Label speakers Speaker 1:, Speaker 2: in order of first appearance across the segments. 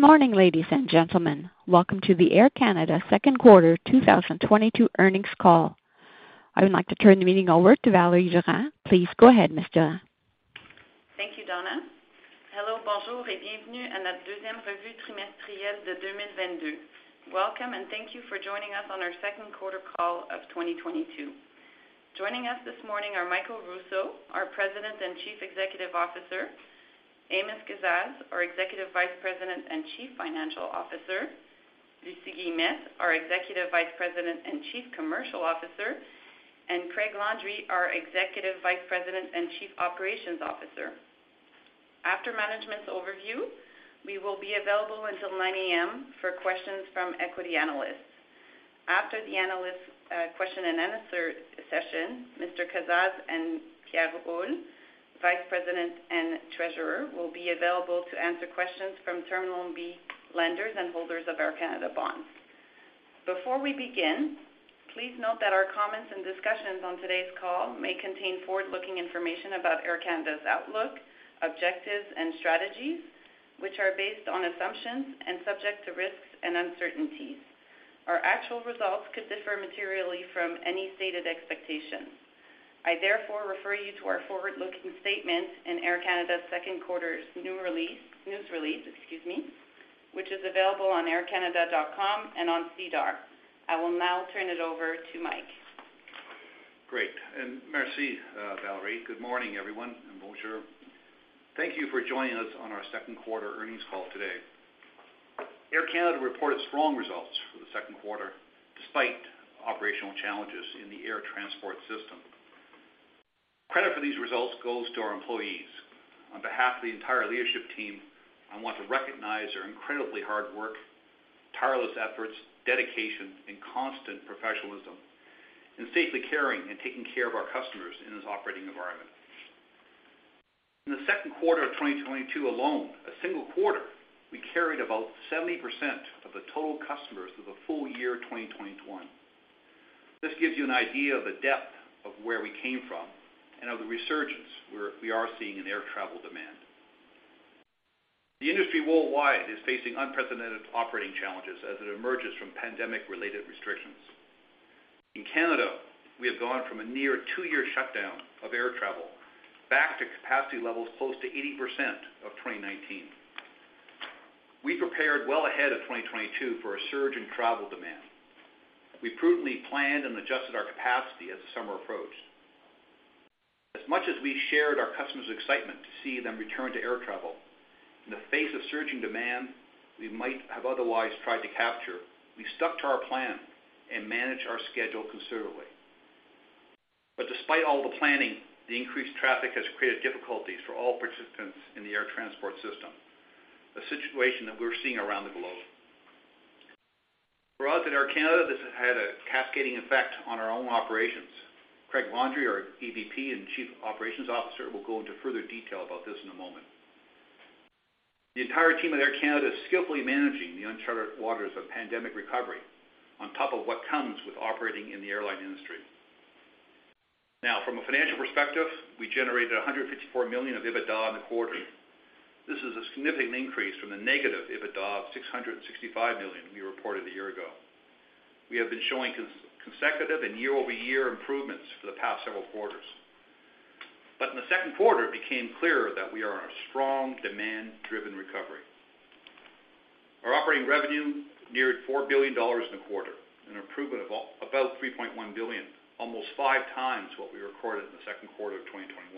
Speaker 1: Good morning, ladies and gentlemen. Welcome to the Air Canada second quarter 2022 earnings call. I would like to turn the meeting over to Valérie Durand. Please go ahead, Ms. Durand.
Speaker 2: Thank you, Donna. Hello, bonjour, et bienvenue à notre deuxième revue trimestrielle de 2022. Welcome, and thank you for joining us on our second quarter call of 2022. Joining us this morning are Michael Rousseau, our President and Chief Executive Officer, Amos Kazzaz, our Executive Vice President and Chief Financial Officer, Lucie Guillemette, our Executive Vice President and Chief Commercial Officer, and Craig Landry, our Executive Vice President and Chief Operations Officer. After management's overview, we will be available until 9:00 AM for questions from equity analysts. After the analyst question and answer session, Mr. Kazzaz and Pierre Houle, Managing Director and Treasurer, will be available to answer questions from Term Loan B lenders and holders of Air Canada bonds. Before we begin, please note that our comments and discussions on today's call may contain forward-looking information about Air Canada's outlook, objectives, and strategies, which are based on assumptions and subject to risks and uncertainties. Our actual results could differ materially from any stated expectations. I therefore refer you to our forward-looking statement in Air Canada's second quarter news release, excuse me, which is available on aircanada.com and on SEDAR. I will now turn it over to Mike.
Speaker 3: Great, merci, Valérie. Good morning, everyone, and bonjour. Thank you for joining us on our second quarter earnings call today. Air Canada reported strong results for the second quarter despite operational challenges in the air transport system. Credit for these results goes to our employees. On behalf of the entire leadership team, I want to recognize their incredibly hard work, tireless efforts, dedication, and constant professionalism in safely carrying and taking care of our customers in this operating environment. In the second quarter of 2022 alone, a single quarter, we carried about 70% of the total customers of the full year 2021. This gives you an idea of the depth of where we came from and of the resurgence we are seeing in air travel demand. The industry worldwide is facing unprecedented operating challenges as it emerges from pandemic-related restrictions. In Canada, we have gone from a near two-year shutdown of air travel back to capacity levels close to 80% of 2019. We prepared well ahead of 2022 for a surge in travel demand. We prudently planned and adjusted our capacity as the summer approached. As much as we shared our customers' excitement to see them return to air travel, in the face of surging demand we might have otherwise tried to capture, we stuck to our plan and managed our schedule conservatively. Despite all the planning, the increased traffic has created difficulties for all participants in the air transport system, a situation that we're seeing around the globe. For us at Air Canada, this has had a cascading effect on our own operations. Craig Landry, our EVP and Chief Operations Officer, will go into further detail about this in a moment. The entire team at Air Canada is skillfully managing the uncharted waters of pandemic recovery on top of what comes with operating in the airline industry. Now, from a financial perspective, we generated 154 million of EBITDA in the quarter. This is a significant increase from the negative EBITDA of 665 million we reported a year ago. We have been showing consecutive and year-over-year improvements for the past several quarters. In the second quarter, it became clearer that we are on a strong demand-driven recovery. Our operating revenue neared 4 billion dollars in the quarter, an improvement of about 3.1 billion, almost five times what we recorded in the second quarter of 2021.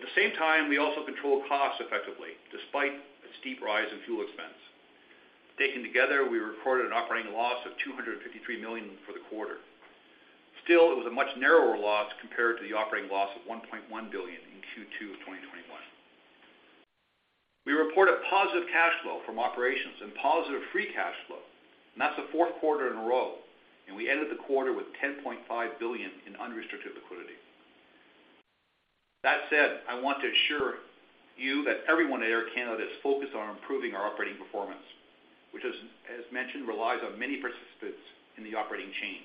Speaker 3: At the same time, we also controlled costs effectively, despite a steep rise in fuel expense. Taken together, we recorded an operating loss of 253 million for the quarter. Still, it was a much narrower loss compared to the operating loss of 1.1 billion in Q2 of 2021. We report a positive cash flow from operations and positive free cash flow, and that's the fourth quarter in a row, and we ended the quarter with 10.5 billion in unrestricted liquidity. That said, I want to assure you that everyone at Air Canada is focused on improving our operating performance, which, as mentioned, relies on many participants in the operating chain,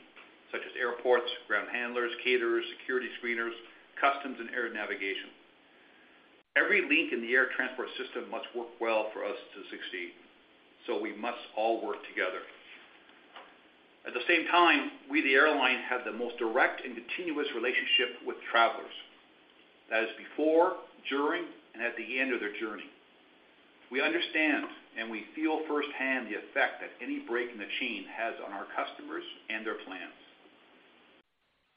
Speaker 3: such as airports, ground handlers, caterers, security screeners, customs and air navigation. Every link in the air transport system must work well for us to succeed, so we must all work together. At the same time, we, the airline, have the most direct and continuous relationship with travelers. That is before, during, and at the end of their journey. We understand and we feel firsthand the effect that any break in the chain has on our customers and their plans.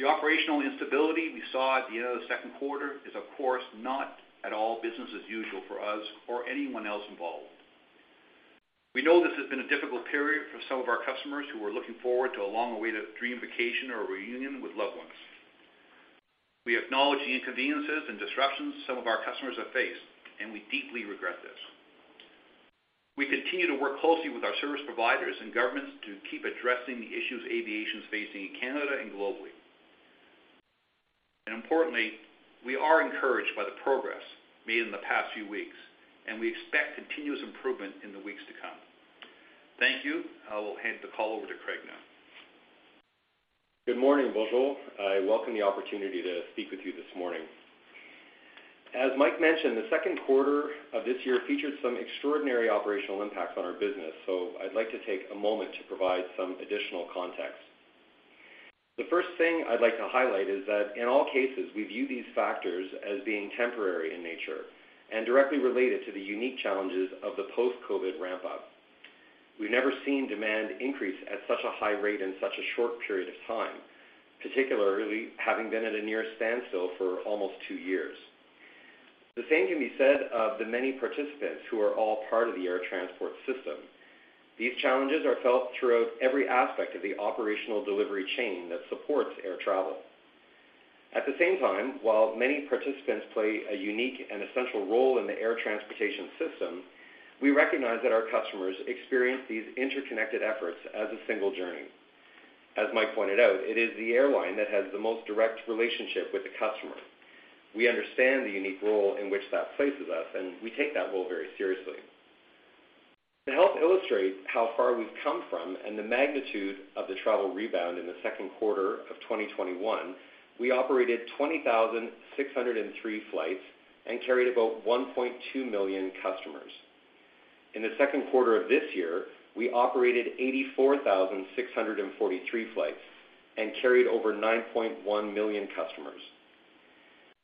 Speaker 3: The operational instability we saw at the end of the second quarter is, of course, not at all business as usual for us or anyone else involved. We know this has been a difficult period for some of our customers who are looking forward to a long-awaited dream vacation or a reunion with loved ones. We acknowledge the inconveniences and disruptions some of our customers have faced, and we deeply regret this. We continue to work closely with our service providers and governments to keep addressing the issues aviation's facing in Canada and globally. Importantly, we are encouraged by the progress made in the past few weeks, and we expect continuous improvement in the weeks to come. Thank you. I will hand the call over to Craig now.
Speaker 4: Good morning, bonjour. I welcome the opportunity to speak with you this morning. As Mike mentioned, the second quarter of this year featured some extraordinary operational impacts on our business, so I'd like to take a moment to provide some additional context. The first thing I'd like to highlight is that in all cases, we view these factors as being temporary in nature and directly related to the unique challenges of the post-COVID ramp up. We've never seen demand increase at such a high rate in such a short period of time, particularly having been at a near standstill for almost two years. The same can be said of the many participants who are all part of the air transport system. These challenges are felt throughout every aspect of the operational delivery chain that supports air travel. At the same time, while many participants play a unique and essential role in the air transportation system, we recognize that our customers experience these interconnected efforts as a single journey. As Mike pointed out, it is the airline that has the most direct relationship with the customer. We understand the unique role in which that places us, and we take that role very seriously. To help illustrate how far we've come from and the magnitude of the travel rebound in the second quarter of 2021, we operated 20,603 flights and carried about 1.2 million customers. In the second quarter of this year, we operated 84,643 flights and carried over 9.1 million customers.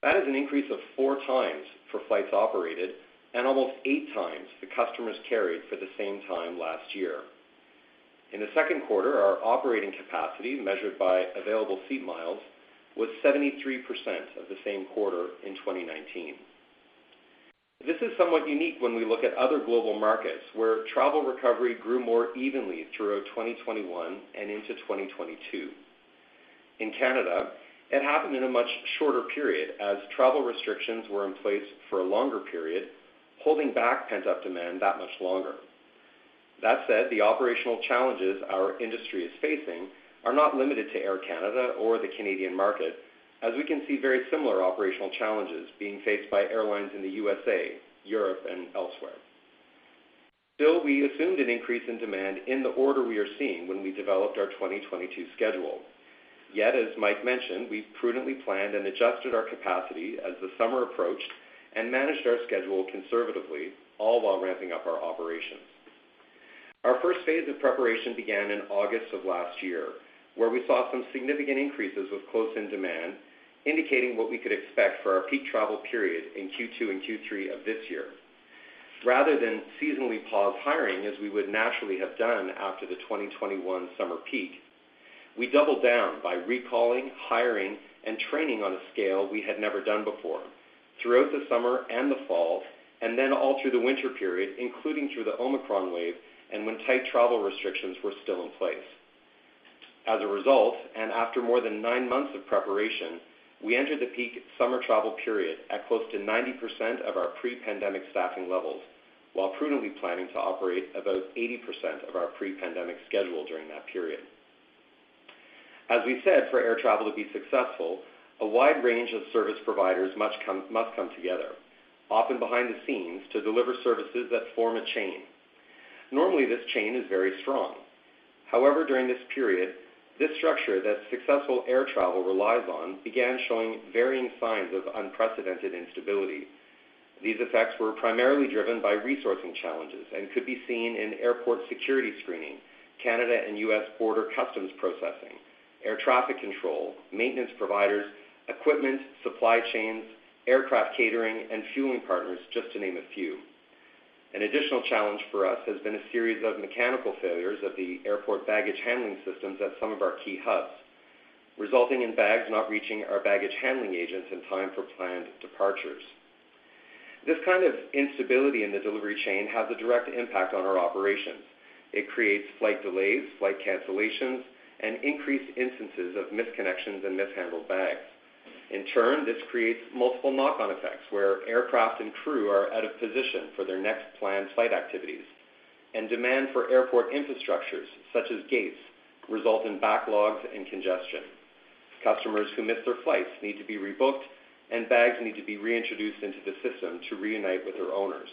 Speaker 4: That is an increase of four times for flights operated and almost eight times the customers carried for the same time last year. In the second quarter, our operating capacity, measured by available seat miles, was 73% of the same quarter in 2019. This is somewhat unique when we look at other global markets where travel recovery grew more evenly throughout 2021 and into 2022. In Canada, it happened in a much shorter period as travel restrictions were in place for a longer period, holding back pent-up demand that much longer. That said, the operational challenges our industry is facing are not limited to Air Canada or the Canadian market, as we can see very similar operational challenges being faced by airlines in the USA, Europe and elsewhere. Still, we assumed an increase in demand in the order we are seeing when we developed our 2022 schedule. Yet, as Mike mentioned, we prudently planned and adjusted our capacity as the summer approached and managed our schedule conservatively, all while ramping up our operations. Our first phase of preparation began in August of last year, where we saw some significant increases with close-in demand, indicating what we could expect for our peak travel period in Q2 and Q3 of this year. Rather than seasonally pause hiring, as we would naturally have done after the 2021 summer peak, we doubled down by recalling, hiring, and training on a scale we had never done before throughout the summer and the fall, and then all through the winter period, including through the Omicron wave and when tight travel restrictions were still in place. As a result, and after more than nine months of preparation, we entered the peak summer travel period at close to 90% of our pre-pandemic staffing levels, while prudently planning to operate about 80% of our pre-pandemic schedule during that period. As we said, for air travel to be successful, a wide range of service providers must come together, often behind the scenes to deliver services that form a chain. Normally, this chain is very strong. However, during this period, this structure that successful air travel relies on began showing varying signs of unprecedented instability. These effects were primarily driven by resourcing challenges and could be seen in airport security screening, Canada and U.S. border customs processing, air traffic control, maintenance providers, equipment, supply chains, aircraft catering, and fueling partners, just to name a few. An additional challenge for us has been a series of mechanical failures of the airport baggage handling systems at some of our key hubs, resulting in bags not reaching our baggage handling agents in time for planned departures. This kind of instability in the delivery chain has a direct impact on our operations. It creates flight delays, flight cancellations, and increased instances of misconnections and mishandled bags. In turn, this creates multiple knock-on effects where aircraft and crew are out of position for their next planned flight activities, and demand for airport infrastructures, such as gates, result in backlogs and congestion. Customers who miss their flights need to be rebooked, and bags need to be reintroduced into the system to reunite with their owners.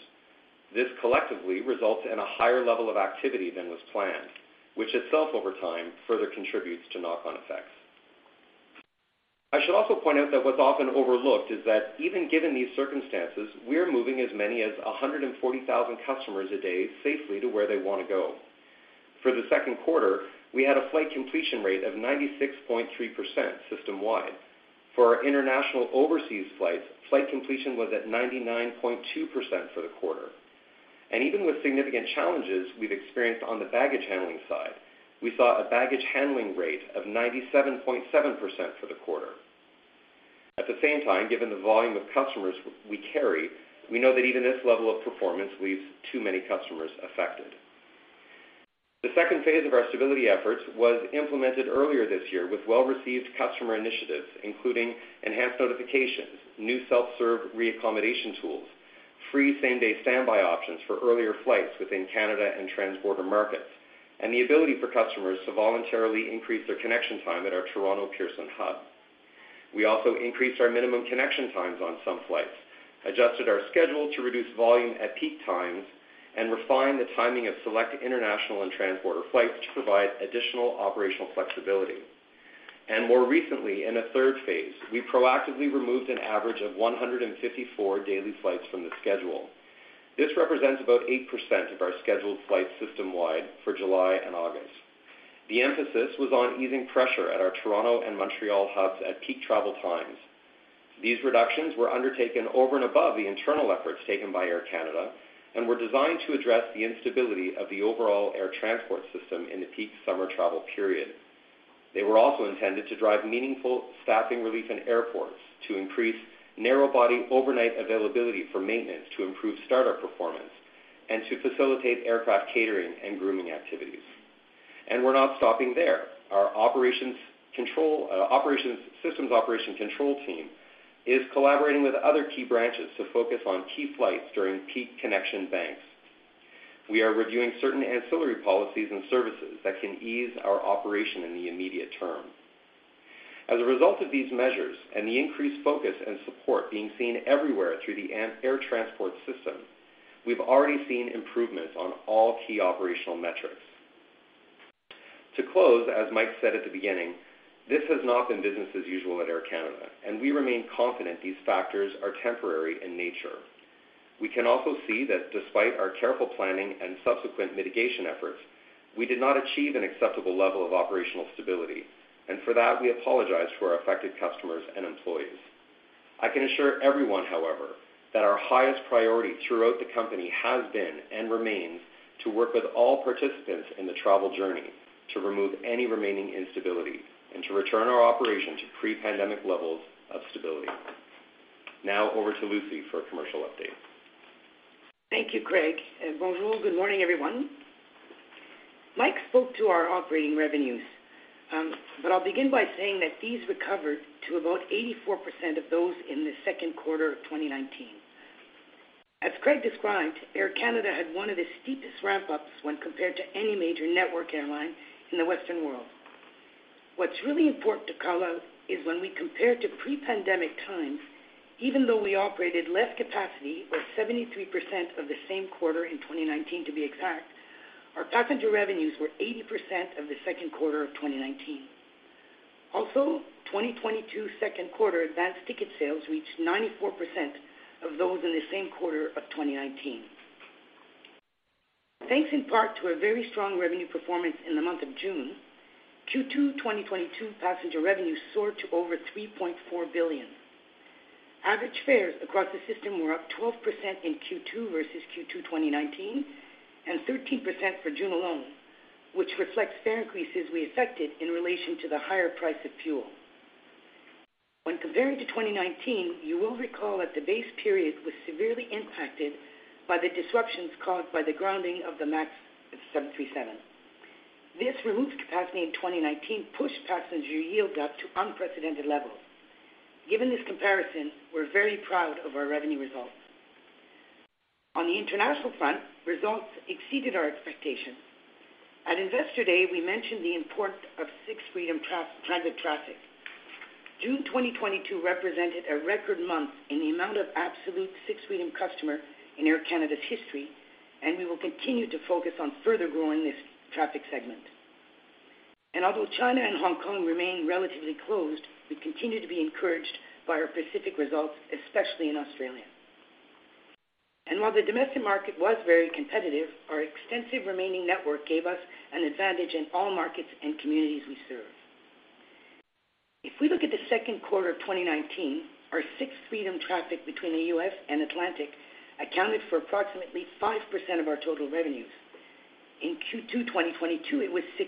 Speaker 4: This collectively results in a higher level of activity than was planned, which itself over time further contributes to knock-on effects. I should also point out that what's often overlooked is that even given these circumstances, we are moving as many as 140,000 customers a day safely to where they want to go. For the second quarter, we had a flight completion rate of 96.3% system-wide. For our international overseas flights, flight completion was at 99.2% for the quarter. Even with significant challenges we've experienced on the baggage handling side, we saw a baggage handling rate of 97.7% for the quarter. At the same time, given the volume of customers we carry, we know that even this level of performance leaves too many customers affected. The second phase of our stability efforts was implemented earlier this year with well-received customer initiatives, including enhanced notifications, new self-serve reaccommodation tools, free same-day standby options for earlier flights within Canada and transborder markets, and the ability for customers to voluntarily increase their connection time at our Toronto Pearson hub. We also increased our minimum connection times on some flights, adjusted our schedule to reduce volume at peak times, and refined the timing of select international and transborder flights to provide additional operational flexibility. More recently, in a third phase, we proactively removed an average of 154 daily flights from the schedule. This represents about 8% of our scheduled flights system-wide for July and August. The emphasis was on easing pressure at our Toronto and Montreal hubs at peak travel times. These reductions were undertaken over and above the internal efforts taken by Air Canada and were designed to address the instability of the overall air transport system in the peak summer travel period. They were also intended to drive meaningful staffing relief in airports, to increase narrow body overnight availability for maintenance, to improve startup performance, and to facilitate aircraft catering and grooming activities. We're not stopping there. Our systems operations control team is collaborating with other key branches to focus on key flights during peak connection banks. We are reviewing certain ancillary policies and services that can ease our operation in the immediate term. As a result of these measures and the increased focus and support being seen everywhere through the air transport system, we've already seen improvements on all key operational metrics. To close, as Mike said at the beginning, this has not been business as usual at Air Canada, and we remain confident these factors are temporary in nature. We can also see that despite our careful planning and subsequent mitigation efforts, we did not achieve an acceptable level of operational stability, and for that, we apologize to our affected customers and employees. I can assure everyone, however, that our highest priority throughout the company has been and remains to work with all participants in the travel journey to remove any remaining instability and to return our operation to pre-pandemic levels of stability. Now over to Lucie for a commercial update.
Speaker 5: Thank you, Craig. Bonjour. Good morning, everyone. Mike spoke to our operating revenues, but I'll begin by saying that these recovered to about 84% of those in the second quarter of 2019. As Craig described, Air Canada had one of the steepest ramp-ups when compared to any major network airline in the Western world. What's really important to call out is when we compare to pre-pandemic times, even though we operated less capacity or 73% of the same quarter in 2019, to be exact, our passenger revenues were 80% of the second quarter of 2019. Also, 2022 second quarter advanced ticket sales reached 94% of those in the same quarter of 2019. Thanks in part to a very strong revenue performance in the month of June, Q2 2022 passenger revenues soared to over 3.4 billion. Average fares across the system were up 12% in Q2 versus Q2 2019, and 13% for June alone, which reflects fare increases we effected in relation to the higher price of fuel. When comparing to 2019, you will recall that the base period was severely impacted by the disruptions caused by the grounding of the 737 MAX. This removed capacity in 2019, pushed passenger yield up to unprecedented levels. Given this comparison, we're very proud of our revenue results. On the international front, results exceeded our expectations. At Investor Day, we mentioned the importance of Sixth Freedom traffic. June 2022 represented a record month in the amount of absolute Sixth Freedom customers in Air Canada's history, and we will continue to focus on further growing this traffic segment. Although China and Hong Kong remain relatively closed, we continue to be encouraged by our Pacific results, especially in Australia. While the domestic market was very competitive, our extensive remaining network gave us an advantage in all markets and communities we serve. If we look at Q2 2019, our Sixth Freedom traffic between the U.S. and Atlantic accounted for approximately 5% of our total revenues. In Q2 2022, it was 6%.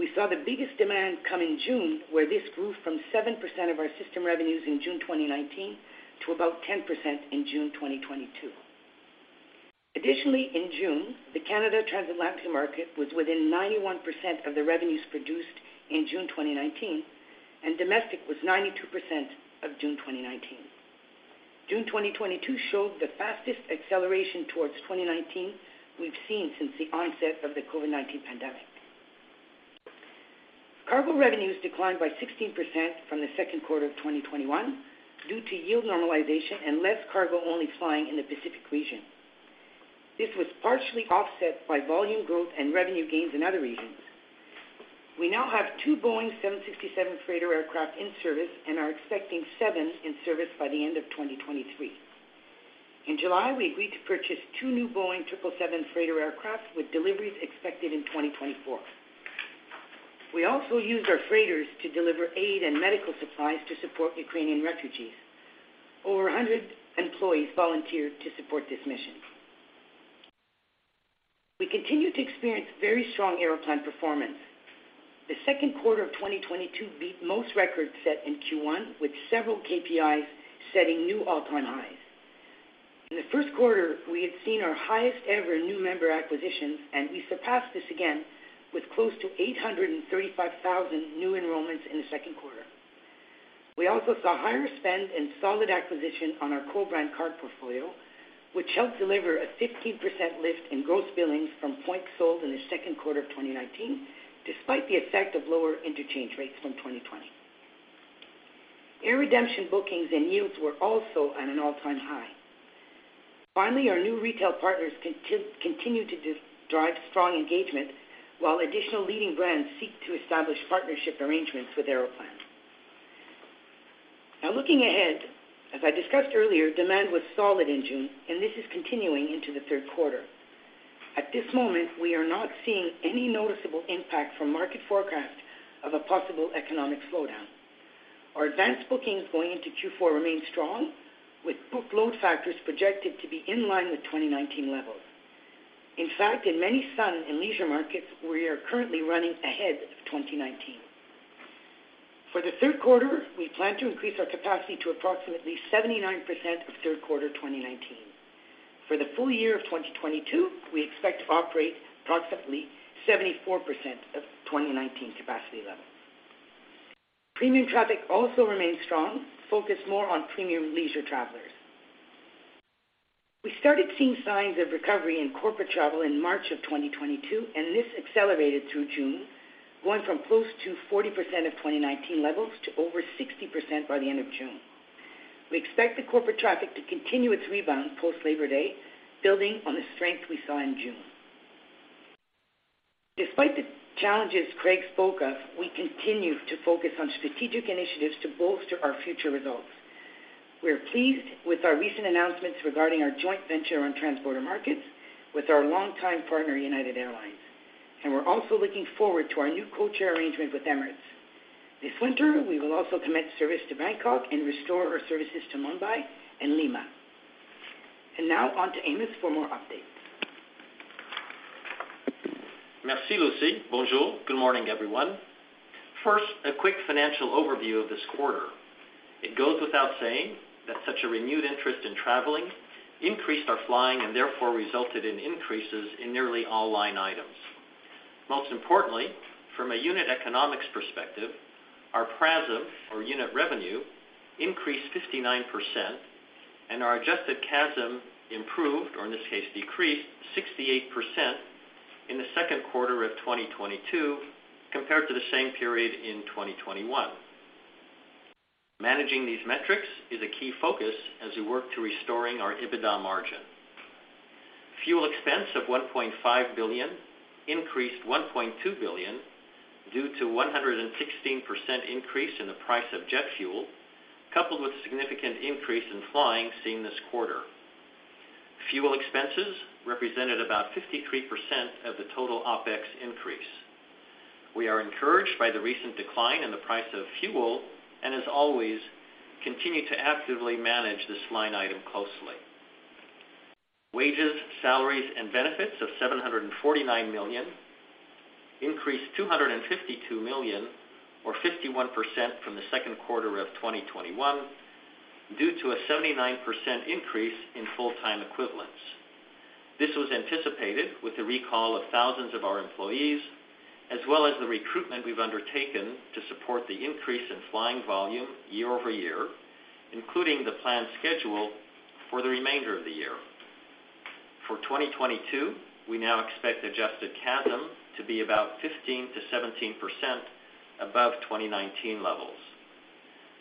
Speaker 5: We saw the biggest demand come in June, where this grew from 7% of our system revenues in June 2019 to about 10% in June 2022. Additionally, in June, the Canadian transatlantic market was within 91% of the revenues produced in June 2019, and domestic was 92% of June 2019. June 2022 showed the fastest acceleration towards 2019 we've seen since the onset of the COVID-19 pandemic. Cargo revenues declined by 16% from the second quarter of 2021 due to yield normalization and less cargo-only flying in the Pacific region. This was partially offset by volume growth and revenue gains in other regions. We now have two Boeing 767 freighter aircraft in service and are expecting seven in service by the end of 2023. In July, we agreed to purchase two new Boeing 777 freighter aircraft with deliveries expected in 2024. We also used our freighters to deliver aid and medical supplies to support Ukrainian refugees. Over 100 employees volunteered to support this mission. We continue to experience very strong Aeroplan performance. The second quarter of 2022 beat most records set in Q1, with several KPIs setting new all-time highs. In the first quarter, we had seen our highest ever new member acquisitions, and we surpassed this again with close to 835,000 new enrollments in the second quarter. We also saw higher spend and solid acquisition on our co-brand card portfolio, which helped deliver a 15% lift in gross billings from points sold in the second quarter of 2019, despite the effect of lower interchange rates from 2020. Air redemption bookings and yields were also at an all-time high. Finally, our new retail partners continue to drive strong engagement while additional leading brands seek to establish partnership arrangements with Aeroplan. Now looking ahead, as I discussed earlier, demand was solid in June, and this is continuing into the third quarter. At this moment, we are not seeing any noticeable impact from market forecast of a possible economic slowdown. Our advanced bookings going into Q4 remain strong, with booked load factors projected to be in line with 2019 levels. In fact, in many sun and leisure markets, we are currently running ahead of 2019. For the third quarter, we plan to increase our capacity to approximately 79% of third quarter 2019. For the full year of 2022, we expect to operate approximately 74% of 2019 capacity levels. Premium traffic also remains strong, focused more on premium leisure travelers. We started seeing signs of recovery in corporate travel in March of 2022, and this accelerated through June, going from close to 40% of 2019 levels to over 60% by the end of June. We expect the corporate traffic to continue its rebound post-Labor Day, building on the strength we saw in June. Despite the challenges Craig spoke of, we continue to focus on strategic initiatives to bolster our future results. We're pleased with our recent announcements regarding our joint venture on transborder markets with our longtime partner, United Airlines. We're also looking forward to our new codeshare arrangement with Emirates. This winter, we will also commit service to Bangkok and restore our services to Mumbai and Lima. Now on to Amos for more updates.
Speaker 6: Merci, Lucie. Bonjour. Good morning, everyone. First, a quick financial overview of this quarter. It goes without saying that such a renewed interest in traveling increased our flying and therefore resulted in increases in nearly all line items. Most importantly, from a unit economics perspective, our PRASM, or unit revenue, increased 59%, and our adjusted CASM improved, or in this case, decreased 68% in the second quarter of 2022 compared to the same period in 2021. Managing these metrics is a key focus as we work to restoring our EBITDA margin. Fuel expense of 1.5 billion increased 1.2 billion due to 116% increase in the price of jet fuel, coupled with significant increase in flying seen this quarter. Fuel expenses represented about 53% of the total OpEx increase. We are encouraged by the recent decline in the price of fuel and as always, continue to actively manage this line item closely. Wages, salaries, and benefits of 749 million increased 252 million or 51% from the second quarter of 2021 due to a 79% increase in full-time equivalents. This was anticipated with the recall of thousands of our employees, as well as the recruitment we've undertaken to support the increase in flying volume year-over-year, including the planned schedule for the remainder of the year. For 2022, we now expect adjusted CASM to be about 15%-17% above 2019 levels.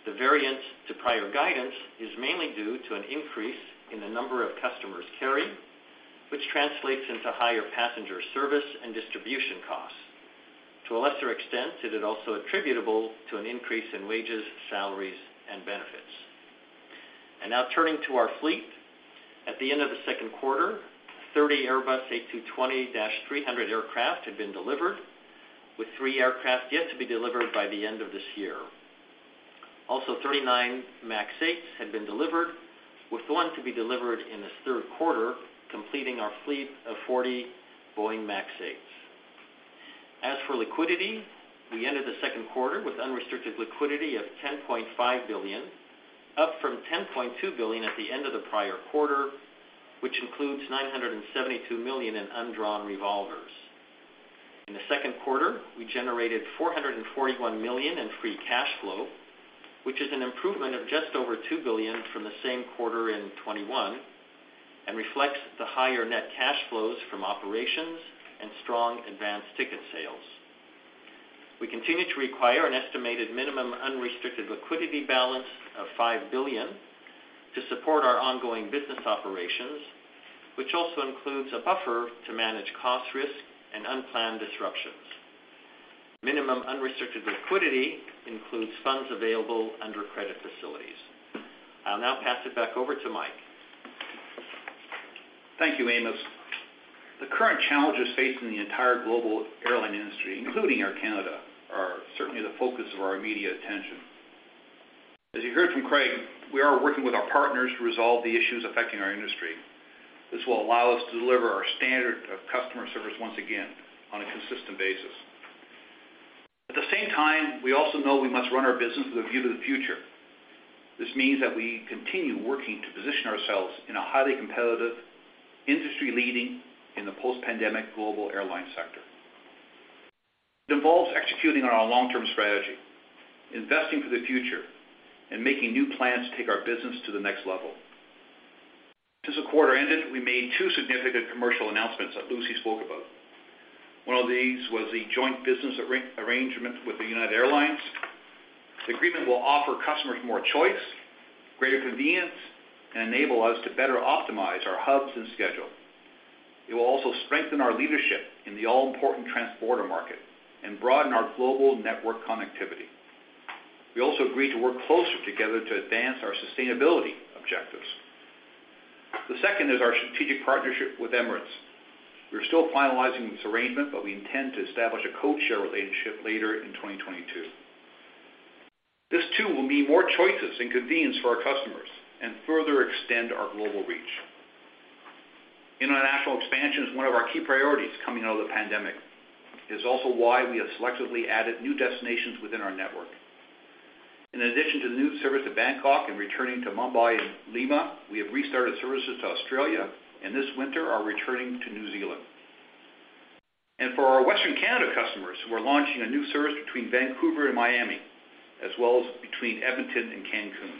Speaker 6: The variance to prior guidance is mainly due to an increase in the number of customers carried, which translates into higher passenger service and distribution costs. To a lesser extent, it is also attributable to an increase in wages, salaries, and benefits. Now turning to our fleet. At the end of the second quarter, 30 Airbus A220-300 aircraft had been delivered, with three aircraft yet to be delivered by the end of this year. Also, 39 MAX 8s had been delivered, with one to be delivered in this third quarter, completing our fleet of 40 Boeing MAX 8s. As for liquidity, we ended the second quarter with unrestricted liquidity of 10.5 billion, up from 10.2 billion at the end of the prior quarter, which includes 972 million in undrawn revolvers. In the second quarter, we generated 441 million in free cash flow, which is an improvement of just over 2 billion from the same quarter in 2021 and reflects the higher net cash flows from operations and strong advanced ticket sales. We continue to require an estimated minimum unrestricted liquidity balance of 5 billion to support our ongoing business operations, which also includes a buffer to manage cost risk and unplanned disruptions. Minimum unrestricted liquidity includes funds available under credit facilities. I'll now pass it back over to Mike.
Speaker 3: Thank you, Amos. The current challenges facing the entire global airline industry, including Air Canada, are certainly the focus of our immediate attention. As you heard from Craig, we are working with our partners to resolve the issues affecting our industry. This will allow us to deliver our standard of customer service once again on a consistent basis. At the same time, we also know we must run our business with a view to the future. This means that we continue working to position ourselves in a highly competitive, industry-leading in the post-pandemic global airline sector. It involves executing on our long-term strategy, investing for the future, and making new plans to take our business to the next level. Since the quarter ended, we made two significant commercial announcements that Lucie spoke about. One of these was the joint business arrangement with United Airlines. The agreement will offer customers more choice, greater convenience, and enable us to better optimize our hubs and schedule. It will also strengthen our leadership in the all-important transborder market and broaden our global network connectivity. We also agreed to work closer together to advance our sustainability objectives. The second is our strategic partnership with Emirates. We are still finalizing this arrangement, but we intend to establish a codeshare relationship later in 2022. This too will mean more choices and convenience for our customers and further extend our global reach. International expansion is one of our key priorities coming out of the pandemic. It is also why we have selectively added new destinations within our network. In addition to new service at Bangkok and returning to Mumbai and Lima, we have restarted services to Australia, and this winter are returning to New Zealand. For our Western Canada customers, we're launching a new service between Vancouver and Miami, as well as between Edmonton and Cancún.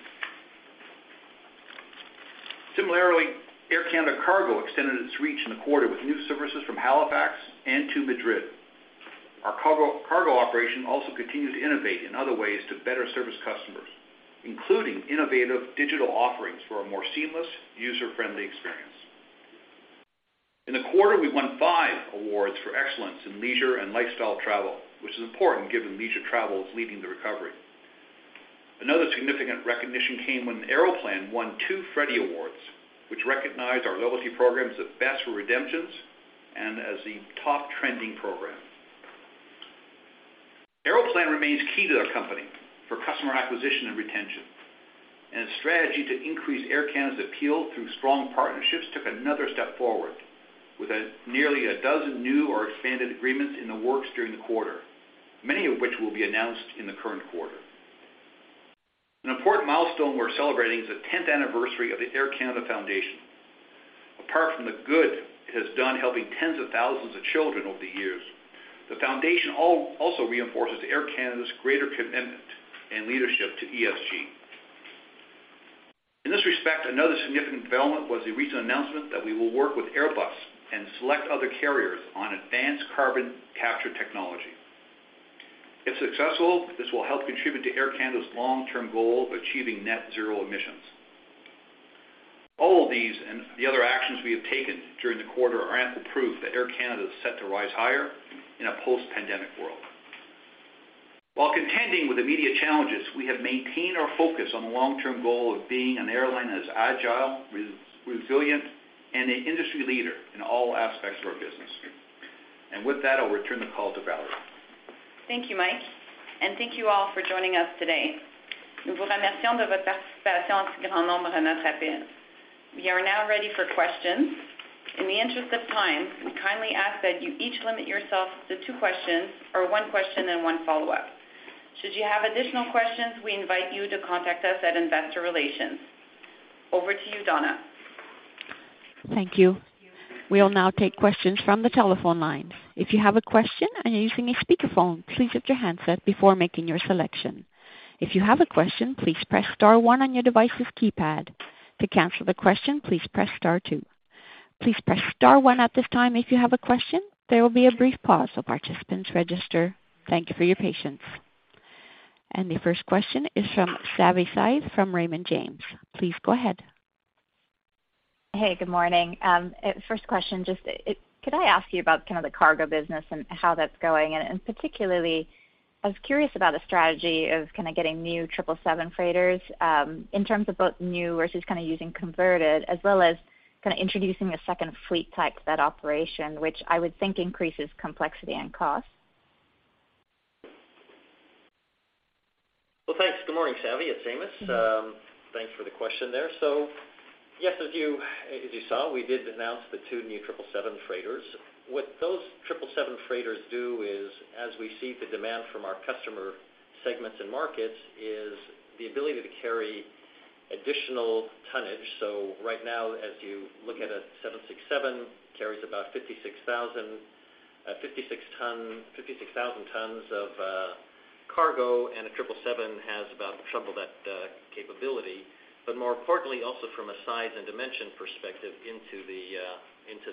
Speaker 3: Similarly, Air Canada Cargo extended its reach in the quarter with new services from Halifax and to Madrid. Our cargo operation also continues to innovate in other ways to better service customers, including innovative digital offerings for a more seamless, user-friendly experience. In the quarter, we won five awards for excellence in leisure and lifestyle travel, which is important given leisure travel is leading the recovery. Another significant recognition came when Aeroplan won two Freddie Awards, which recognized our loyalty programs as best for redemptions and as the top trending program. Aeroplan remains key to our company for customer acquisition and retention, and its strategy to increase Air Canada's appeal through strong partnerships took another step forward with nearly a dozen new or expanded agreements in the works during the quarter, many of which will be announced in the current quarter. An important milestone we're celebrating is the 10th anniversary of the Air Canada Foundation. Apart from the good it has done helping tens of thousands of children over the years, the foundation also reinforces Air Canada's greater commitment and leadership to ESG. In this respect, another significant development was the recent announcement that we will work with Airbus and select other carriers on advanced carbon capture technology. If successful, this will help contribute to Air Canada's long-term goal of achieving net zero emissions. All of these and the other actions we have taken during the quarter are ample proof that Air Canada is set to rise higher in a post-pandemic world. While contending with immediate challenges, we have maintained our focus on the long-term goal of being an airline that is agile, resilient, and an industry leader in all aspects of our business. With that, I'll return the call to Valérie.
Speaker 2: Thank you, Mike, and thank you all for joining us today. We are now ready for questions. In the interest of time, we kindly ask that you each limit yourself to two questions or one question and one follow-up. Should you have additional questions, we invite you to contact us at Investor Relations. Over to you, Donna.
Speaker 1: Thank you. We will now take questions from the telephone lines. If you have a question and you're using a speakerphone, please mute your handset before making your selection. If you have a question, please press star one on your device's keypad. To cancel the question, please press star two. Please press star one at this time if you have a question. There will be a brief pause while participants register. Thank you for your patience. The first question is from Savi Syth from Raymond James. Please go ahead.
Speaker 7: Hey, good morning. First question, just could I ask you about kind of the cargo business and how that's going? Particularly I was curious about the strategy of kind of getting new 777 freighters, in terms of both new versus kind of using converted as well as kind of introducing a second fleet type to that operation, which I would think increases complexity and cost.
Speaker 6: Thanks. Good morning, Savi Syth. It's Amos. Thanks for the question there. Yes, as you saw, we did announce the two new 777 freighters. What those 777 freighters do is, as we see the demand from our customer segments and markets, is the ability to carry additional tonnage. Right now, as you look at a 767, carries about 56,000 tons of cargo, and a 777 has about double that capability. More importantly, also from a size and dimension perspective into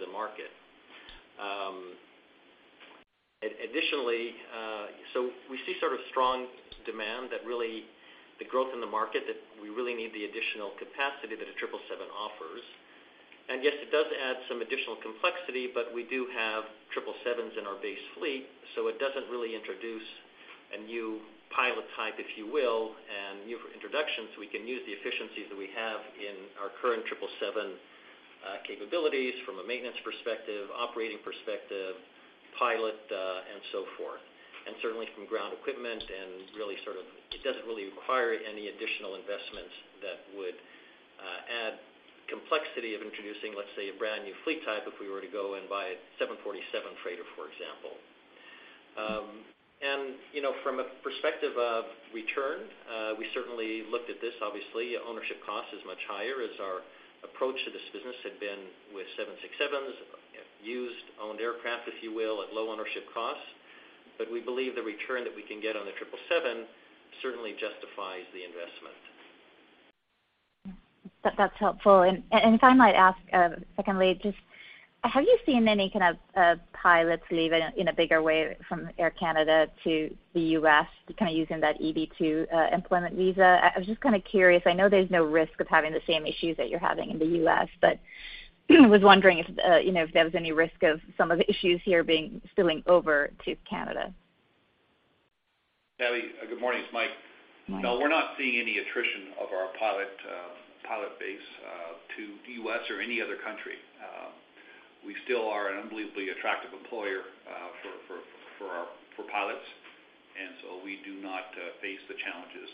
Speaker 6: the market. Additionally, we see sort of strong demand that really the growth in the market that we really need the additional capacity that a 777 offers. Yes, it does add some additional complexity, but we do have 777s in our base fleet, so it doesn't really introduce a new pilot type, if you will, and new introductions. We can use the efficiencies that we have in our current 777 capabilities from a maintenance perspective, operating perspective, pilot, and so forth. Certainly from ground equipment and really sort of it doesn't really require any additional investments that would add complexity of introducing, let's say, a brand new fleet type if we were to go and buy a 747 freighter, for example. From a perspective of return, we certainly looked at this. Obviously, ownership cost is much higher as our approach to this business had been with 767s, used owned aircraft, if you will, at low ownership costs. We believe the return that we can get on the 777 certainly justifies the investment.
Speaker 7: That's helpful. If I might ask, secondly, just have you seen any kind of pilots leave in a bigger way from Air Canada to the U.S. kind of using that EB-2 employment visa? I was just kind of curious. I know there's no risk of having the same issues that you're having in the U.S., but was wondering if you know, if there was any risk of some of the issues here being spilling over to Canada.
Speaker 3: Savi, good morning. It's Mike. No, we're not seeing any attrition of our pilot base to U.S. or any other country. We still are an unbelievably attractive employer for pilots. We do not face the challenges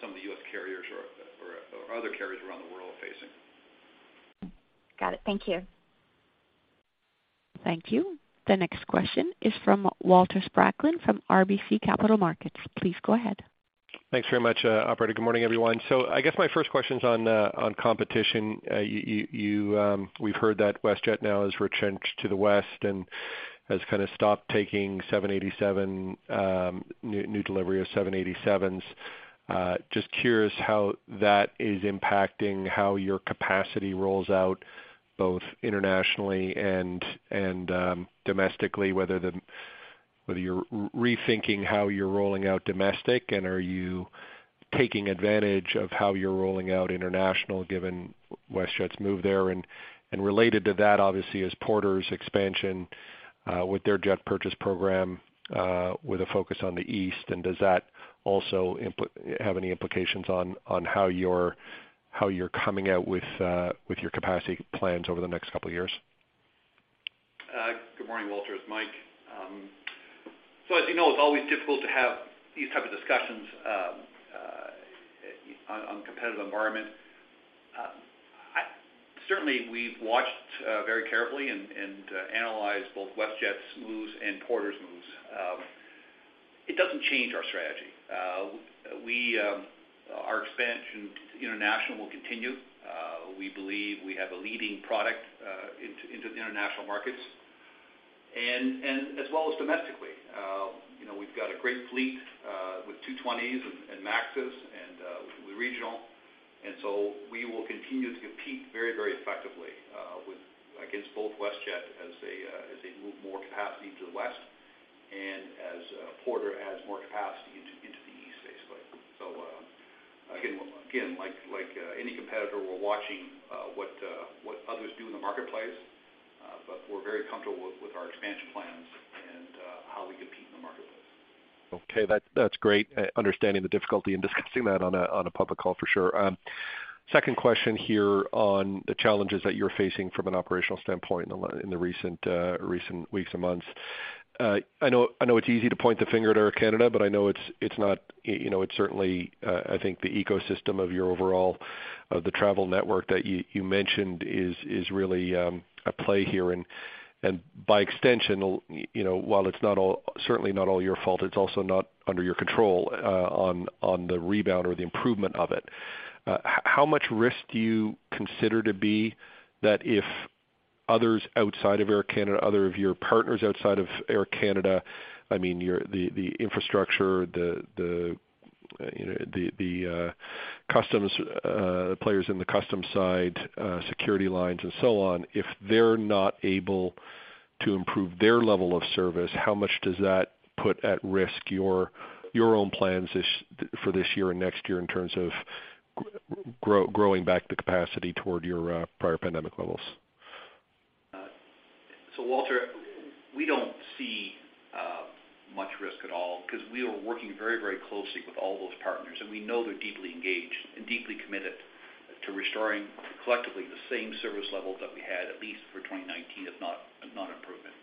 Speaker 3: some of the U.S. carriers or other carriers around the world are facing.
Speaker 7: Got it. Thank you.
Speaker 1: Thank you. The next question is from Walter Spracklin from RBC Capital Markets. Please go ahead.
Speaker 8: Thanks very much, operator. Good morning, everyone. I guess my first question is on competition. We've heard that WestJet now has retrenched to the West and has kinda stopped taking 787 new delivery of 787s. Just curious how that is impacting how your capacity rolls out both internationally and domestically, whether you're rethinking how you're rolling out domestic and are you taking advantage of how you're rolling out international given WestJet's move there? Related to that, obviously, is Porter's expansion with their jet purchase program with a focus on the East. Does that also have any implications on how you're coming out with your capacity plans over the next couple of years?
Speaker 3: Good morning, Walter. It's Mike. As you know, it's always difficult to have these type of discussions on competitive environment. Certainly, we've watched very carefully and analyzed both WestJet's moves and Porter's moves. It doesn't change our strategy. Our expansion international will continue. We believe we have a leading product into the international markets and as well as domestically. You know, we've got a great fleet with 220s, and MAXs, and with the Regional. We will continue to compete very, very effectively against both WestJet as they move more capacity to the West and as Porter adds more capacity into the East, basically. Again, like any competitor, we're watching what others do in the marketplace, but we're very comfortable with our expansion plans and how we compete in the marketplace.
Speaker 8: Okay. That's great. Understanding the difficulty in discussing that on a public call for sure. Second question here on the challenges that you're facing from an operational standpoint in the recent weeks and months. I know it's easy to point the finger at Air Canada, but I know it's not, you know, it's certainly- I think the ecosystem of your overall travel network that you mentioned is really at play here. By extension, you know, while it's certainly not all your fault, it's also not under your control on the rebound or the improvement of it. How much risk do you consider to be that if others outside of Air Canada, other of your partners outside of Air Canada, I mean, your, you know, the customs players in the customs side, security lines and so on, if they're not able to improve their level of service, how much does that put at risk your own plans for this year and next year in terms of growing back the capacity toward your prior pandemic levels?
Speaker 3: Walter, we don't see much risk at all because we are working very, very closely with all those partners, and we know they're deeply engaged and deeply committed to restoring collectively the same service level that we had at least for 2019, if not improvement.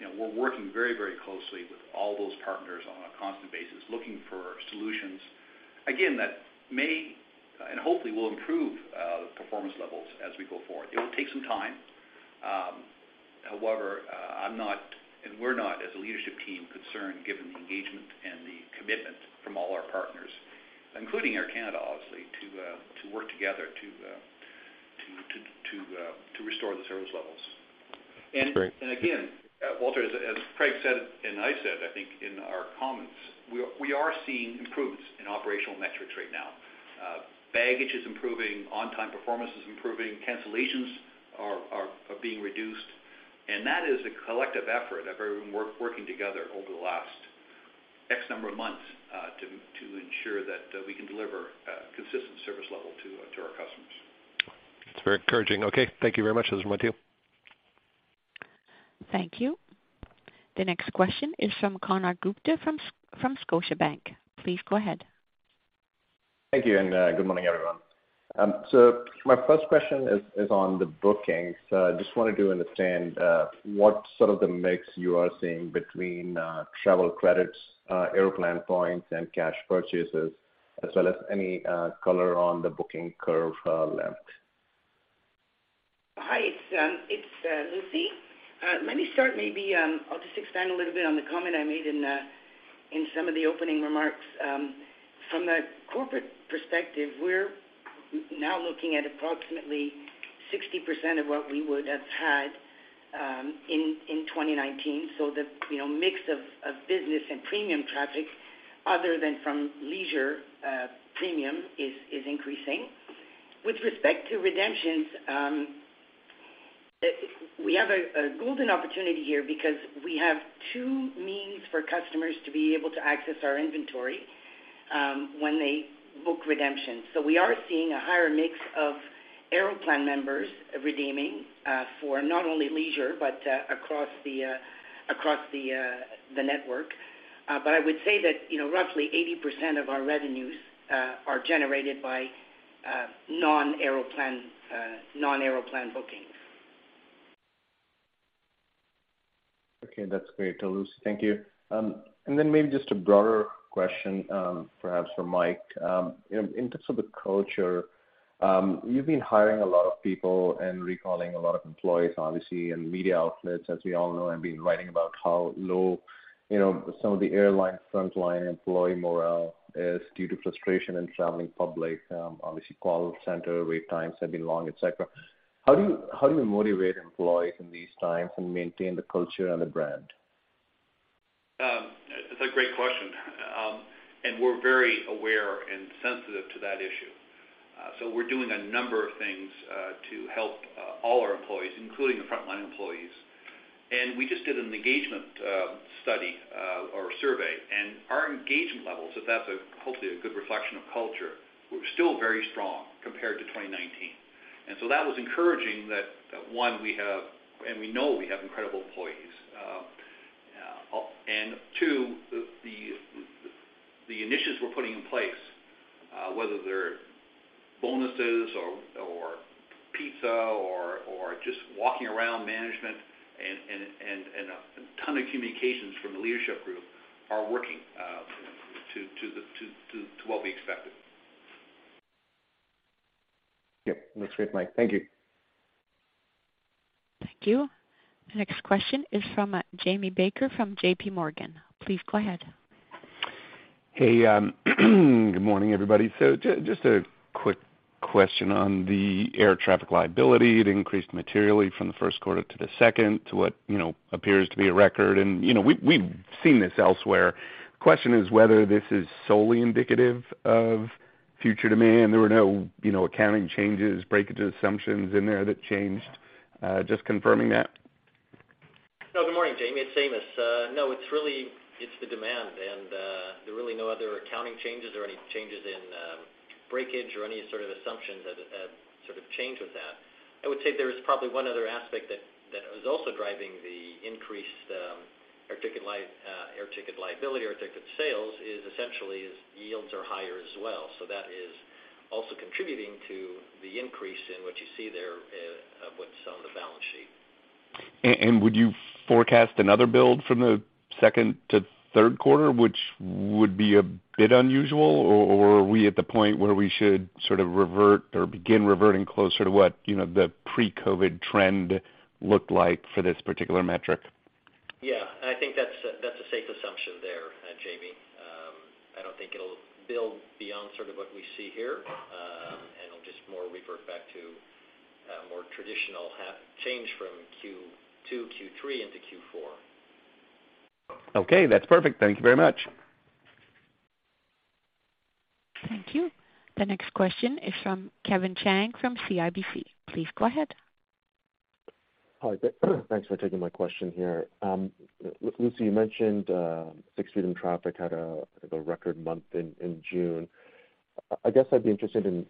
Speaker 3: You know, we're working very, very closely with all those partners on a constant basis, looking for solutions, again, that may and hopefully will improve the performance levels as we go forward. It will take some time. However, I'm not, and we're not as a leadership team concerned given the engagement and the commitment from all our partners, including Air Canada, obviously, to work together to restore the service levels.
Speaker 8: Great.
Speaker 3: Again, Walter, as Craig said, and I said, I think in our comments, we are seeing improvements in operational metrics right now. Baggage is improving, on-time performance is improving, cancellations are being reduced. That is a collective effort of everyone working together over the last X number of months, to ensure that we can deliver a consistent service level to our customers.
Speaker 8: That's very encouraging. Okay. Thank you very much. Those are my two.
Speaker 1: Thank you. The next question is from Konark Gupta from Scotiabank. Please go ahead.
Speaker 9: Thank you and good morning, everyone. My first question is on the bookings. Just wanted to understand what sort of the mix you are seeing between travel credits, Aeroplan points and cash purchases, as well as any color on the booking curve left.
Speaker 5: Hi, it's Lucie. Let me start maybe. I'll just expand a little bit on the comment I made in. In some of the opening remarks from the corporate perspective, we're now looking at approximately 60% of what we would have had in 2019. You know, the mix of business and premium traffic other than from leisure premium is increasing. With respect to redemptions, we have a golden opportunity here because we have two means for customers to be able to access our inventory when they book redemptions. We are seeing a higher mix of Aeroplan members redeeming for not only leisure but across the network. But I would say that, you know, roughly 80% of our revenues are generated by non-Aeroplan bookings.
Speaker 9: Okay, that's great, Lucie. Thank you. Maybe just a broader question, perhaps for Mike. In terms of the culture, you've been hiring a lot of people and recalling a lot of employees, obviously, and media outlets, as we all know, have been writing about how low, you know, some of the airline frontline employee morale is due to frustration in traveling public. Obviously call center wait times have been long, et cetera. How do you motivate employees in these times and maintain the culture and the brand?
Speaker 3: It's a great question. We're very aware and sensitive to that issue. We're doing a number of things to help all our employees, including the frontline employees. We just did an engagement study or survey, and our engagement levels, if that's hopefully a good reflection of culture, were still very strong compared to 2019. That was encouraging that one we have and we know we have incredible employees. Two, the initiatives we're putting in place, whether they're bonuses or pizza or just walking around management and a ton of communications from the leadership group are working to what we expected.
Speaker 9: Yep. That's great, Mike. Thank you.
Speaker 1: Thank you. The next question is from Jamie Baker from J.P. Morgan. Please go ahead.
Speaker 10: Hey, good morning, everybody. Just a quick question on the air traffic liability. It increased materially from the first quarter to the second to what appears to be a record. We've seen this elsewhere. The question is whether this is solely indicative of future demand. There were no accounting changes, breakage assumptions in there that changed. Just confirming that.
Speaker 6: No, good morning, Jamie. It's Amos. No, it's really the demand and there's really no other accounting changes or any changes in breakage or any sort of assumptions that have sort of changed with that. I would say there is probably one other aspect that is also driving the increased air ticket liability or ticket sales is essentially yields are higher as well. That is also contributing to the increase in what you see there in what's on the balance sheet.
Speaker 10: Would you forecast another build from the second to third quarter, which would be a bit unusual, or are we at the point where we should sort of revert or begin reverting closer to what, you know, the pre-COVID trend looked like for this particular metric?
Speaker 6: Yeah, I think that's a safe assumption there, Jamie. I don't think it'll build beyond sort of what we see here, and it'll just more revert back to a more traditional change from Q2, Q3 into Q4.
Speaker 10: Okay, that's perfect. Thank you very much.
Speaker 1: Thank you. The next question is from Kevin Chiang from CIBC. Please go ahead.
Speaker 11: Hi, thanks for taking my question here. Lucie, you mentioned Sixth Freedom traffic had the record month in June. I guess I'd be interested in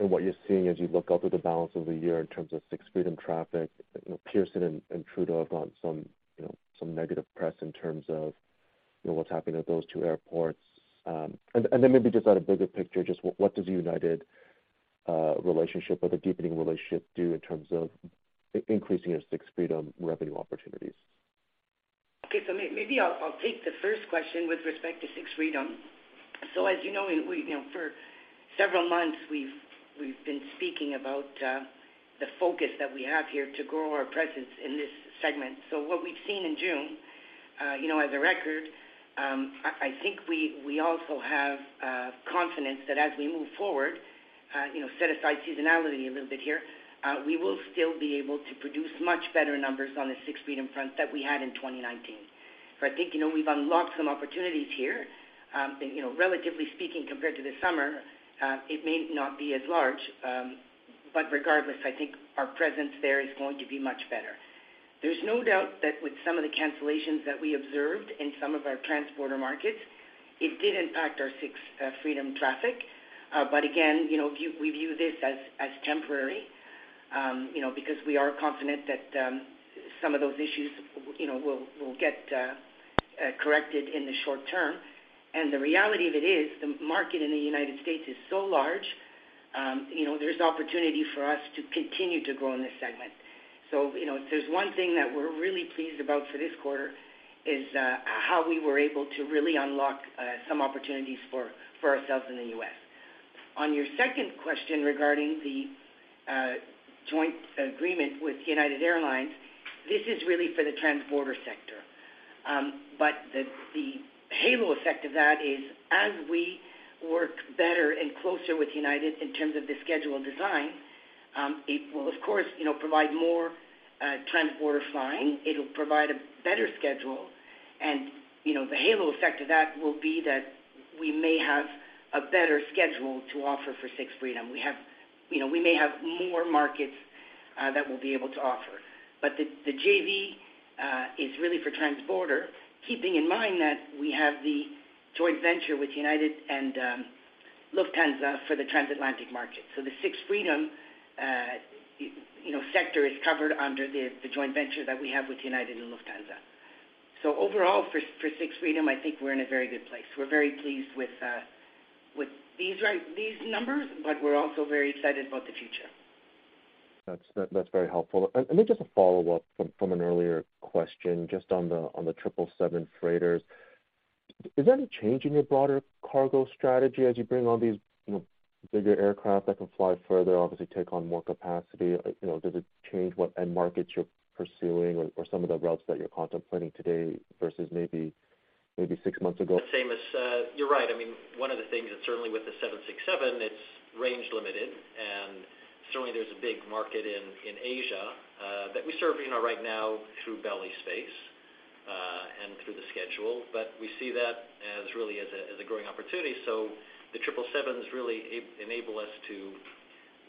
Speaker 11: what you're seeing as you look out through the balance of the year in terms of Sixth Freedom traffic. You know, Pearson and Trudeau have got some you know some negative press in terms of, you know, what's happening at those two airports. Then maybe just on a bigger picture, just what does United's relationship or the deepening relationship do in terms of increasing your Sixth Freedom revenue opportunities?
Speaker 5: Maybe I'll take the first question with respect to Sixth Freedom. As you know, you know, for several months, we've been speaking about the focus that we have here to grow our presence in this segment. What we've seen in June, you know, as a record. I think we also have confidence that as we move forward, you know, set aside seasonality a little bit here, we will still be able to produce much better numbers on the Sixth Freedom front than we had in 2019. But I think, you know, we've unlocked some opportunities here, and, you know, relatively speaking, compared to the summer, it may not be as large, but regardless, I think our presence there is going to be much better. There's no doubt that with some of the cancellations that we observed in some of our transborder markets, it did impact our Sixth Freedom traffic. But again, you know, we view this as temporary, you know, because we are confident that some of those issues, you know, will get corrected in the short term. The reality of it is the market in the United States is so large, you know, there's opportunity for us to continue to grow in this segment. You know, if there's one thing that we're really pleased about for this quarter is how we were able to really unlock some opportunities for ourselves in the U.S. On your second question regarding the joint agreement with United Airlines, this is really for the transborder sector. The halo effect of that is as we work better and closer with United in terms of the schedule design, it will of course, you know, provide more transborder flying. It will provide a better schedule. You know, the halo effect of that will be that we may have a better schedule to offer for Sixth Freedom. You know, we may have more markets that we'll be able to offer. The JV is really for transborder, keeping in mind that we have the joint venture with United and Lufthansa for the transatlantic market. The Sixth Freedom sector is covered under the joint venture that we have with United and Lufthansa. Overall for Sixth Freedom, I think we're in a very good place. We're very pleased with these numbers, but we're also very excited about the future.
Speaker 11: That's very helpful. Maybe just a follow-up from an earlier question just on the 777 freighters. Is there any change in your broader cargo strategy as you bring on these, you know, bigger aircraft that can fly further, obviously take on more capacity? You know, does it change what end markets you're pursuing or some of the routes that you're contemplating today versus maybe six months ago?
Speaker 3: You're right. I mean, one of the things that certainly with the 767, it's range limited, and certainly there's a big market in Asia that we serve, you know, right now through belly space and through the schedule. We see that as really a growing opportunity. The 777s really enable us to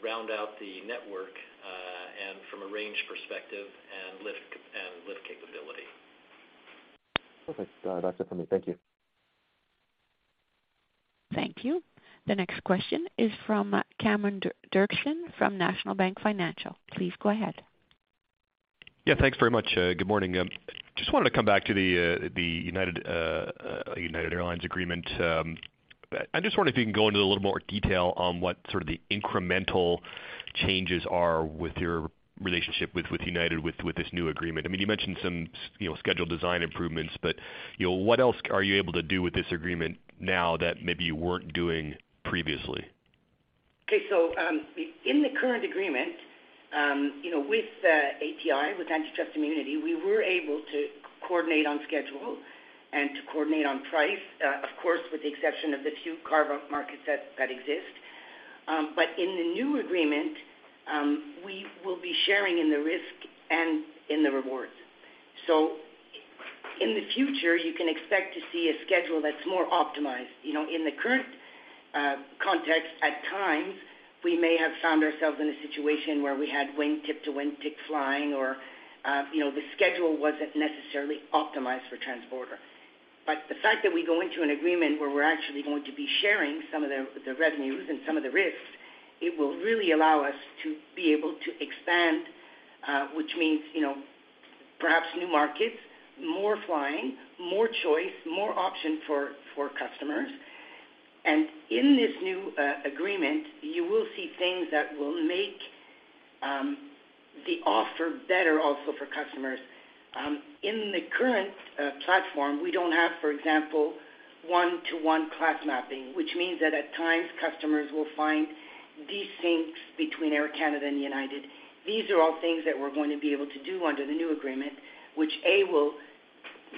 Speaker 3: round out the network and from a range perspective and lift capability.
Speaker 11: Perfect. That's it from me. Thank you.
Speaker 1: Thank you. The next question is from Cameron Doerksen from National Bank Financial. Please go ahead.
Speaker 12: Yeah, thanks very much. Good morning. Just wanted to come back to the United Airlines agreement. I just wonder if you can go into a little more detail on what sort of the incremental changes are with your relationship with United with this new agreement. I mean, you mentioned some, you know, schedule design improvements, but, you know, what else are you able to do with this agreement now that maybe you weren't doing previously?
Speaker 5: Okay. In the current agreement, you know, with ATI, with antitrust immunity, we were able to coordinate on schedule and to coordinate on price, of course, with the exception of the few carve-out markets that exist. In the new agreement, we will be sharing in the risk and in the rewards. In the future, you can expect to see a schedule that's more optimized. You know, in the current context, at times, we may have found ourselves in a situation where we had wingtip to wingtip flying or, you know, the schedule wasn't necessarily optimized for transborder. The fact that we go into an agreement where we're actually going to be sharing some of the revenues and some of the risks, it will really allow us to be able to expand, which means, you know, perhaps new markets, more flying, more choice, more option for customers. In this new agreement, you will see things that will make the offer better also for customers. In the current platform, we don't have, for example, one-to-one class mapping, which means that at times customers will find desyncs between Air Canada and United. These are all things that we're going to be able to do under the new agreement, which will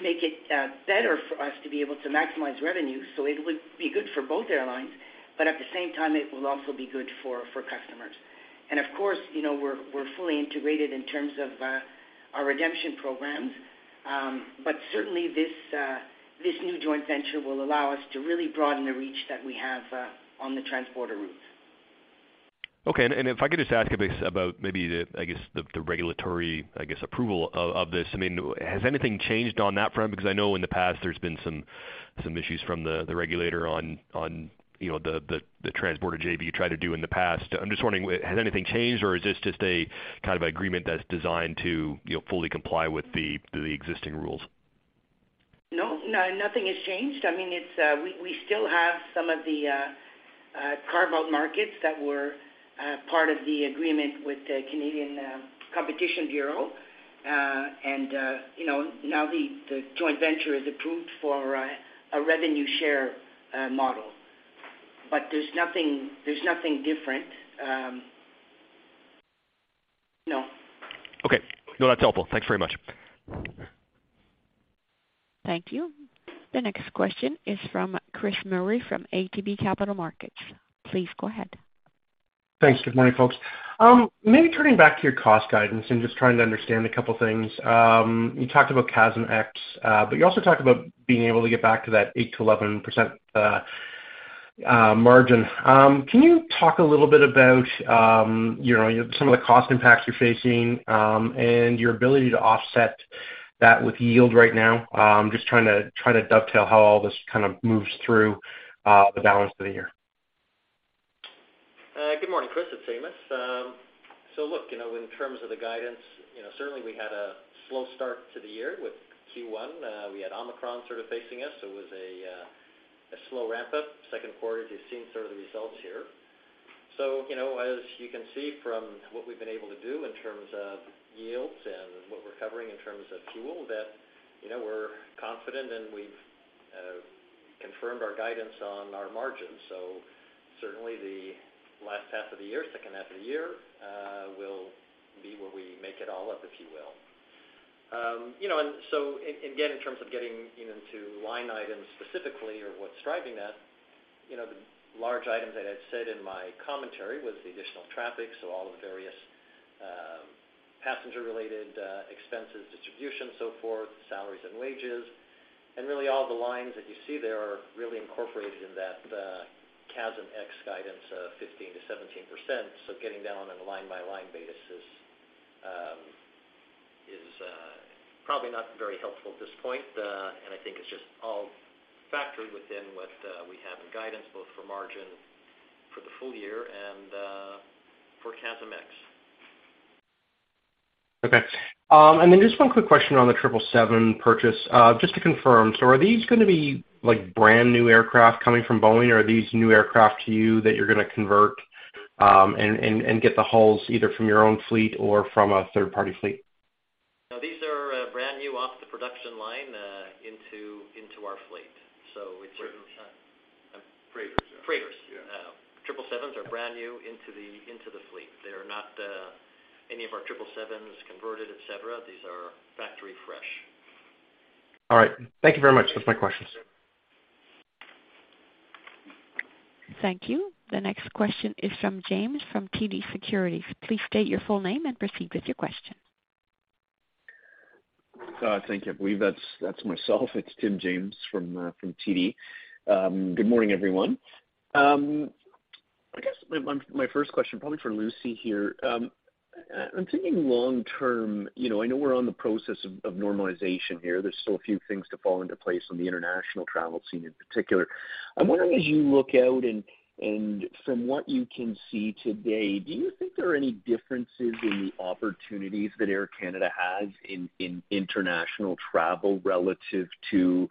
Speaker 5: make it better for us to be able to maximize revenue. It would be good for both airlines, but at the same time it will also be good for customers. Of course, you know, we're fully integrated in terms of our redemption programs. Certainly this new joint venture will allow us to really broaden the reach that we have on the transborder route.
Speaker 12: Okay. If I could just ask a bit about maybe the, I guess, the regulatory, I guess, approval of this. I mean, has anything changed on that front? Because I know in the past there's been some issues from the regulator on, you know, the transborder JV you tried to do in the past. I'm just wondering has anything changed, or is this just a kind of agreement that's designed to, you know, fully comply with the existing rules?
Speaker 5: No, nothing has changed. I mean, we still have some of the carve-out markets that were part of the agreement with the Canadian Competition Bureau. You know, now the joint venture is approved for a revenue share model. But there's nothing different. No.
Speaker 12: Okay. No, that's helpful. Thanks very much.
Speaker 1: Thank you. The next question is from Chris Murray from ATB Capital Markets. Please go ahead.
Speaker 13: Thanks. Good morning, folks. Maybe turning back to your cost guidance and just trying to understand a couple things. You talked about CASM-ex, but you also talked about being able to get back to that 8%-11% margin. Can you talk a little bit about, you know, some of the cost impacts you're facing, and your ability to offset that with yield right now? Just trying to dovetail how all this kind of moves through the balance of the year.
Speaker 6: Good morning, Chris. It's Amos. Look, you know, in terms of the guidance, you know, certainly we had a slow start to the year with Q1. We had Omicron sort of facing us, so it was a slow ramp-up. Second quarter, as you've seen sort of the results here. You know, as you can see from what we've been able to do in terms of yields and what we're covering in terms of fuel that, you know, we're confident and we've confirmed our guidance on our margins. Certainly the last half of the year, second half of the year, will be where we make it all up, if you will. You know, and again, in terms of getting, you know, into line items specifically or what's driving that, you know, the large items that I'd said in my commentary was the additional traffic, so all the various, passenger related, expenses, distribution, so forth, salaries and wages, and really all the lines that you see there are really incorporated in that, CASM-ex guidance of 15%-17%. Getting down on a line by line basis is probably not very helpful at this point. I think it's just all factored within what we have in guidance, both for margin for the full year and for CASM-ex.
Speaker 13: Okay. Just one quick question on the 777 purchase, just to confirm. Are these gonna be like brand new aircraft coming from Boeing, or are these new aircraft to you that you're gonna convert, and get the hulls either from your own fleet or from a third party fleet?
Speaker 6: No, these are brand new off the production line into our fleet.
Speaker 3: Freighters.
Speaker 6: Freighters.
Speaker 3: Yeah.
Speaker 6: 777s are brand new into the fleet. They are not any of our 777s converted, et cetera. These are factory fresh.
Speaker 13: All right. Thank you very much. That's my questions.
Speaker 1: Thank you. The next question is from Tim James from TD Securities. Please state your full name and proceed with your question.
Speaker 14: Thank you. I believe that's myself. It's Tim James from TD. Good morning, everyone. I guess my first question probably for Lucie here. I'm thinking long term, you know, I know we're in the process of normalization here. There's still a few things to fall into place on the international travel scene in particular. I'm wondering, as you look out and from what you can see today, do you think there are any differences in the opportunities that Air Canada has in international travel relative to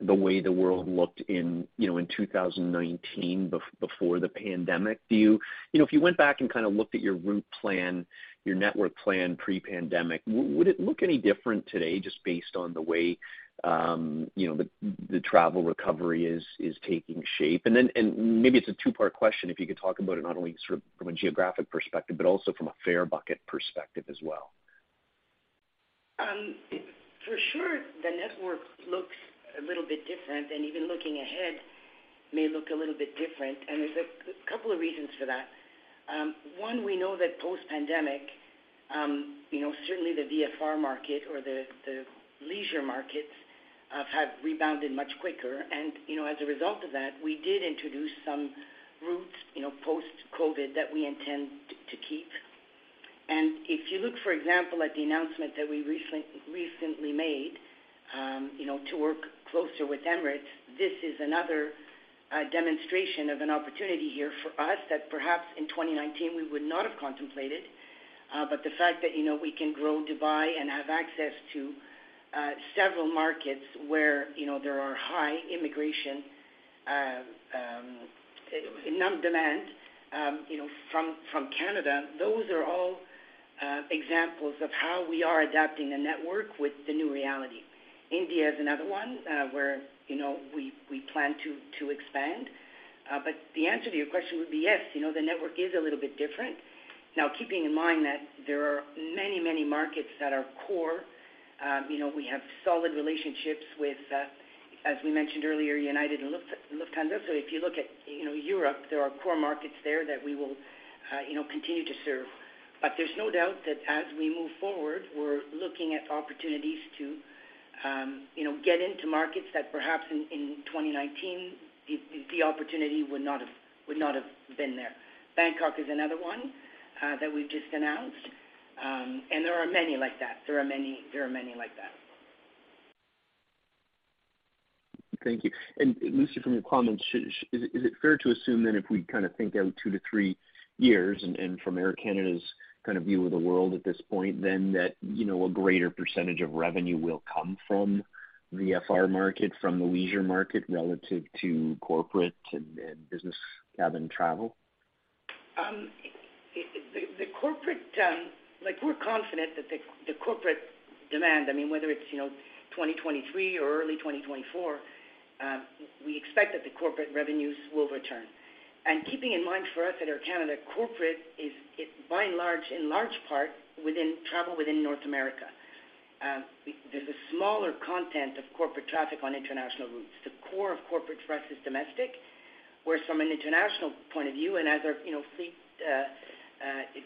Speaker 14: the way the world looked in, you know, in 2019 before the pandemic? You know, if you went back and kind of looked at your route plan, your network plan pre-pandemic, would it look any different today just based on the way, you know, the travel recovery is taking shape? Maybe it's a two-part question, if you could talk about it not only sort of from a geographic perspective, but also from a fare bucket perspective as well.
Speaker 5: For sure the network looks a little bit different, and even looking ahead may look a little bit different, and there's a couple of reasons for that. One, we know that post pandemic, you know, certainly the VFR market or the leisure markets have rebounded much quicker. You know, as a result of that, we did introduce some routes, you know, post COVID that we intend to keep. If you look, for example, at the announcement that we recently made, you know, to work closer with Emirates, this is another demonstration of an opportunity here for us that perhaps in 2019 we would not have contemplated. The fact that, you know, we can grow Dubai and have access to several markets where, you know, there are high immigration and demand, you know, from Canada, those are all examples of how we are adapting the network with the new reality. India is another one, where, you know, we plan to expand. The answer to your question would be yes. You know, the network is a little bit different. Now, keeping in mind that there are many markets that are core, you know, we have solid relationships with, as we mentioned earlier, United and Lufthansa. If you look at, you know, Europe, there are core markets there that we will, you know, continue to serve. There's no doubt that as we move forward, we're looking at opportunities to, you know, get into markets that perhaps in 2019 the opportunity would not have been there. Bangkok is another one that we've just announced. There are many like that. There are many like that.
Speaker 14: Thank you. Lucie, from your comments, is it fair to assume then if we kind of think out two to three years and from Air Canada's kind of view of the world at this point, then that, you know, a greater percentage of revenue will come from VFR market, from the leisure market relative to corporate and business cabin travel?
Speaker 5: Like we're confident that the corporate demand, I mean, whether it's, you know, 2023 or early 2024, we expect that the corporate revenues will return. Keeping in mind for us at Air Canada, corporate is by and large, in large part within travel within North America. There's a smaller component of corporate traffic on international routes. The core of corporate for us is domestic, where from an international point of view and as our, you know, fleet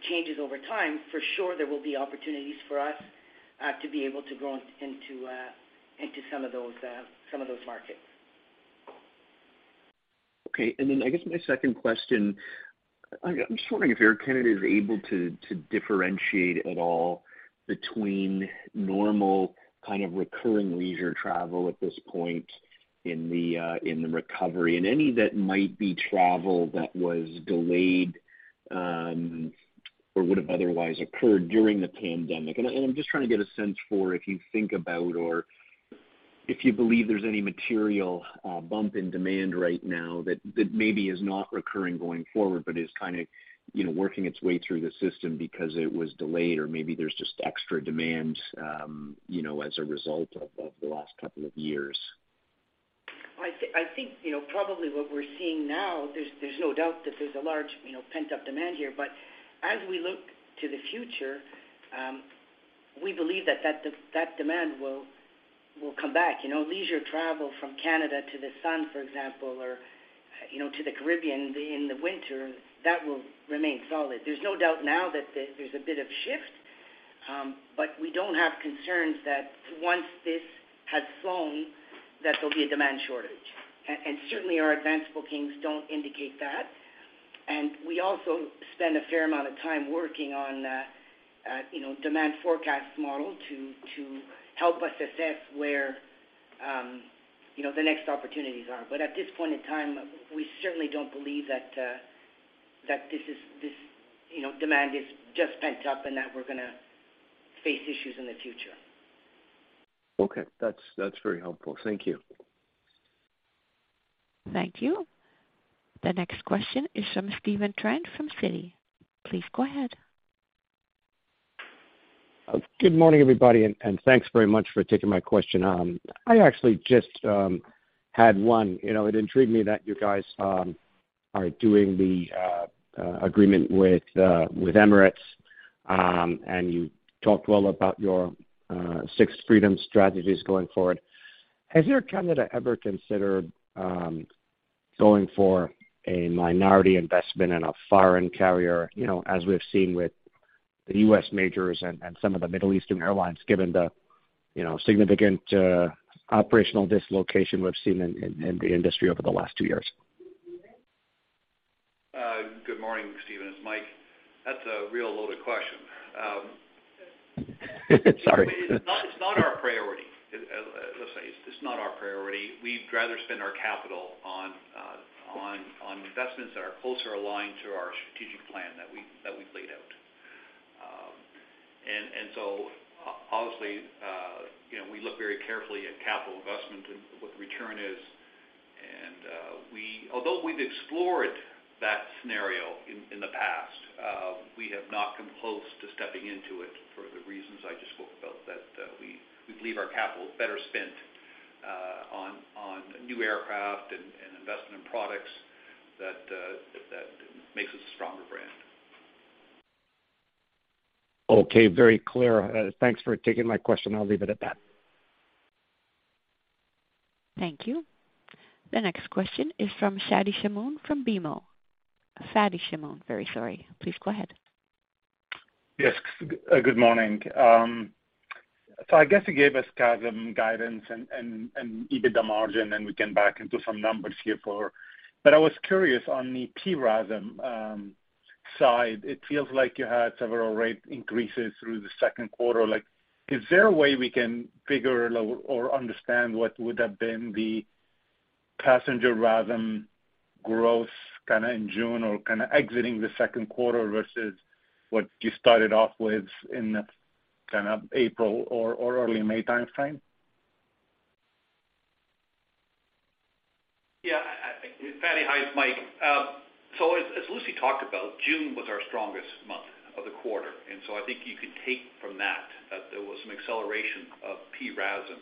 Speaker 5: changes over time, for sure there will be opportunities for us to be able to grow into some of those markets.
Speaker 14: Okay. I guess my second question, I'm just wondering if Air Canada is able to differentiate at all between normal kind of recurring leisure travel at this point in the recovery and any that might be travel that was delayed or would've otherwise occurred during the pandemic. I'm just trying to get a sense for if you think about or if you believe there's any material bump in demand right now that maybe is not recurring going forward but is kinda, you know, working its way through the system because it was delayed or maybe there's just extra demand, you know, as a result of the last couple of years.
Speaker 5: I think, you know, probably what we're seeing now, there's no doubt that there's a large, you know, pent-up demand here. As we look to the future, we believe that demand will come back. You know, leisure travel from Canada to the sun, for example, or, you know, to the Caribbean in the winter, that will remain solid. There's no doubt now that there's a bit of shift, but we don't have concerns that once this has flown, that there'll be a demand shortage. Certainly our advanced bookings don't indicate that. We also spend a fair amount of time working on, you know, demand forecast model to help us assess where, you know, the next opportunities are. At this point in time, we certainly don't believe that this, you know, demand is just pent up and that we're gonna face issues in the future.
Speaker 14: Okay. That's very helpful. Thank you.
Speaker 1: Thank you. The next question is from Stephen Trent from Citi. Please go ahead.
Speaker 15: Good morning, everybody, and thanks very much for taking my question. I actually just had one. You know, it intrigued me that you guys are doing the agreement with Emirates, and you talked well about your Sixth Freedom strategies going forward. Has Air Canada ever considered going for a minority investment in a foreign carrier, you know, as we've seen with the U.S. majors and some of the Middle Eastern airlines, given the, you know, significant operational dislocation we've seen in the industry over the last two years?
Speaker 3: Good morning, Stephen. It's Mike. That's a real loaded question.
Speaker 15: Sorry.
Speaker 3: It's not our priority. Let's say it's not our priority. We'd rather spend our capital on investments that are closer aligned to our strategic plan that we've laid out. Honestly, you know, we look very carefully at capital investment and what the return is. Although we've explored that scenario in the past, we have not come close to stepping into it for the reasons I just spoke about, that we believe our capital is better spent on new aircraft and investment in products that makes us a stronger brand.
Speaker 15: Okay. Very clear. Thanks for taking my question. I'll leave it at that.
Speaker 1: Thank you. The next question is from Fadi Chamoun from BMO. Fadi Chamoun. Very sorry. Please go ahead.
Speaker 16: Yes. Good morning. I guess you gave us CASM guidance and EBITDA margin, and we can back into some numbers here. I was curious on the PRASM side. It feels like you had several rate increases through the second quarter. Like, is there a way we can figure or understand what would have been the passenger RASM growth kinda in June or kinda exiting the second quarter versus what you started off with in kinda April or early May timeframe?
Speaker 3: Yeah. Fadi, hi, it's Mike. As Lucie talked about, June was our strongest month of the quarter, and I think you could take from that that there was some acceleration of PRASM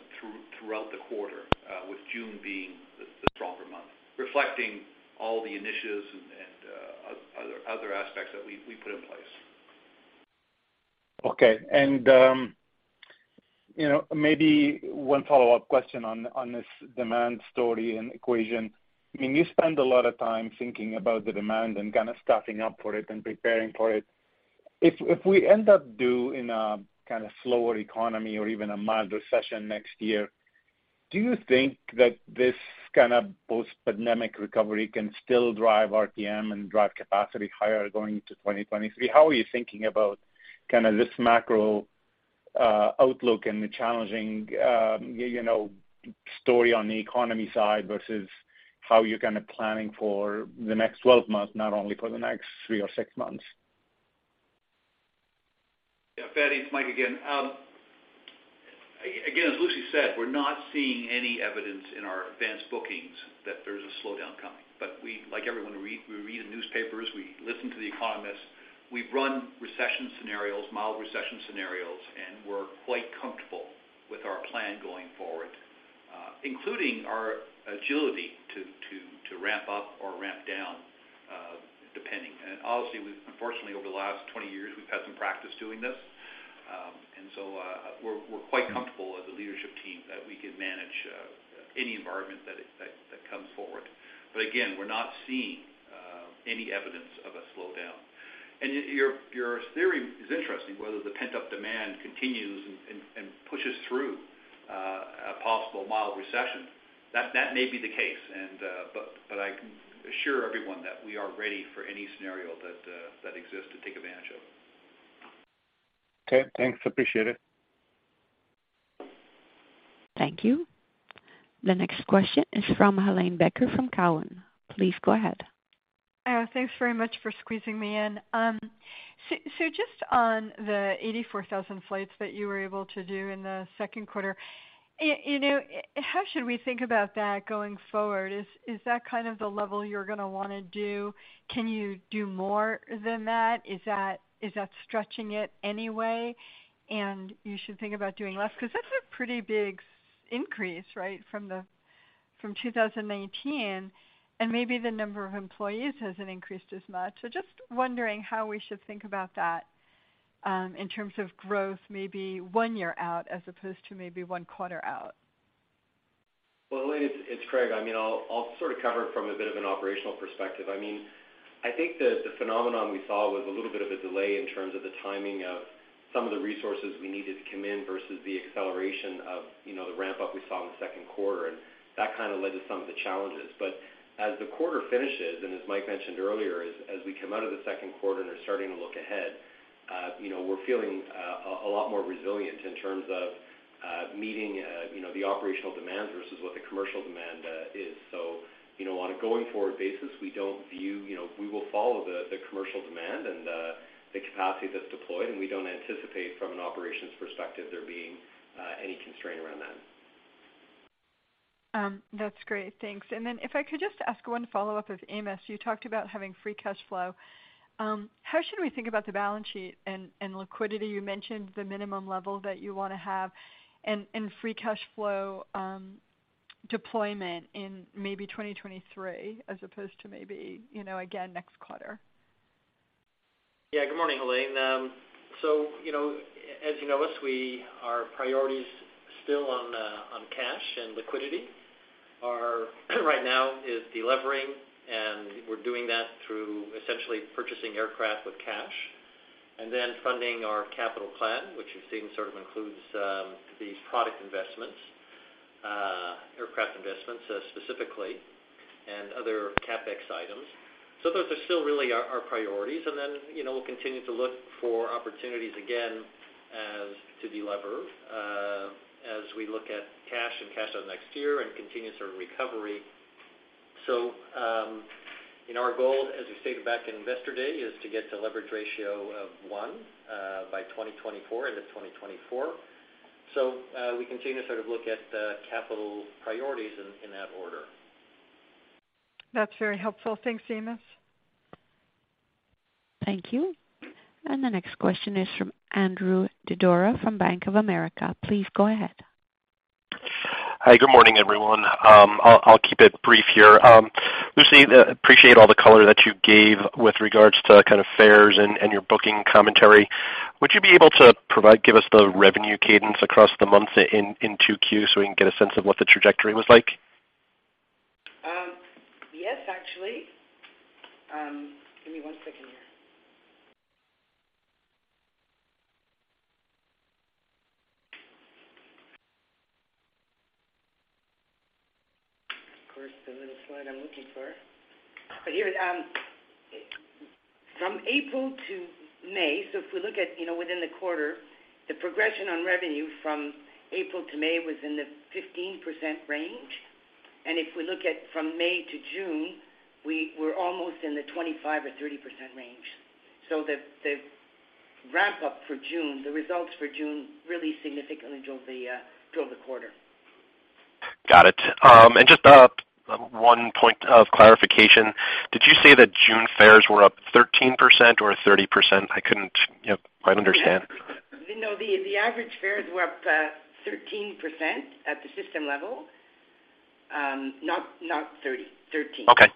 Speaker 3: throughout the quarter, with June being the stronger month, reflecting all the initiatives and other aspects that we put in place.
Speaker 16: Okay. You know, maybe one follow-up question on this demand story and equation. I mean, you spend a lot of time thinking about the demand and kinda stepping up for it and preparing for it. If we end up in a kinda slower economy or even a mild recession next year, do you think that this kinda post-pandemic recovery can still drive RPM and drive capacity higher going into 2023? How are you thinking about kinda this macro outlook and the challenging, you know, story on the economy side versus how you're kinda planning for the next 12 months, not only for the next three or six months?
Speaker 3: Yeah. Fadi, it's Mike again. As Lucie said, we're not seeing any evidence in our advanced bookings that there's a slowdown coming. We, like everyone, read in newspapers, listen to the economists, and we've run recession scenarios, mild recession scenarios, and we're quite comfortable with our plan going forward, including our agility to ramp up or ramp down, depending. Obviously, unfortunately, over the last 20 years, we've had some practice doing this. We're quite comfortable as a leadership team that we can manage any environment that comes forward. Again, we're not seeing any evidence of a slowdown. Your theory is interesting, whether the pent-up demand continues and pushes through a possible mild recession. That may be the case, and but I can assure everyone that we are ready for any scenario that exists to take advantage of.
Speaker 16: Okay, thanks. Appreciate it.
Speaker 1: Thank you. The next question is from Helane Becker from Cowen. Please go ahead.
Speaker 17: Oh, thanks very much for squeezing me in. Just on the 84,000 flights that you were able to do in the second quarter, you know, how should we think about that going forward? Is that kind of the level you're gonna wanna do? Can you do more than that? Is that stretching it any way and you should think about doing less? Because that's a pretty big increase, right, from 2019, and maybe the number of employees hasn't increased as much. Just wondering how we should think about that in terms of growth, maybe one year out as opposed to maybe one quarter out.
Speaker 4: Well, Helane, it's Craig. I mean, I'll sort of cover it from a bit of an operational perspective. I mean, I think the phenomenon we saw was a little bit of a delay in terms of the timing of some of the resources we needed to come in versus the acceleration of, you know, the ramp-up we saw in the second quarter, and that kinda led to some of the challenges. As the quarter finishes, and as Mike mentioned earlier, as we come out of the second quarter and are starting to look ahead, you know, we're feeling a lot more resilient in terms of meeting, you know, the operational demands versus what the commercial demand is. You know, on a going forward basis, we don't view, you know, we will follow the commercial demand and the capacity that's deployed, and we don't anticipate from an operations perspective there being any constraint around that.
Speaker 17: That's great. Thanks. If I could just ask one follow-up of Amos. You talked about having free cash flow. How should we think about the balance sheet and liquidity? You mentioned the minimum level that you wanna have and free cash flow deployment in maybe 2023 as opposed to maybe, you know, again, next quarter.
Speaker 6: Yeah, good morning, Helane. As you know, our priority's still on cash and liquidity. Our priority right now is delevering, and we're doing that through essentially purchasing aircraft with cash and then funding our capital plan, which you've seen sort of includes these product investments, aircraft investments specifically and other CapEx items. Those are still really our priorities. You know, we'll continue to look for opportunities to delever as we look at cash and cash outflows next year and continuous sort of recovery. Our goal, as we stated back in Investor Day, is to get to leverage ratio of one by 2024, end of 2024. We continue to sort of look at the capital priorities in that order.
Speaker 17: That's very helpful. Thanks, Amos.
Speaker 1: Thank you. The next question is from Andrew Didora from Bank of America. Please go ahead.
Speaker 18: Hi. Good morning, everyone. I'll keep it brief here. Lucie, appreciate all the color that you gave with regards to kind of fares and your booking commentary. Would you be able to give us the revenue cadence across the months in 2Q so we can get a sense of what the trajectory was like?
Speaker 5: Yes, actually. Give me one second here. Of course, the little slide I'm looking for. Here it is. From April to May, if we look at, you know, within the quarter, the progression on revenue from April to May was in the 15% range. If we look at from May to June, we were almost in the 25% or 30% range. The ramp up for June, the results for June really significantly drove the quarter.
Speaker 18: Got it. Just one point of clarification. Did you say that June fares were up 13% or 30%? I couldn't, you know, quite understand.
Speaker 5: No, the average fares were up 13% at the system level. Not 30%. 13%.
Speaker 18: Okay.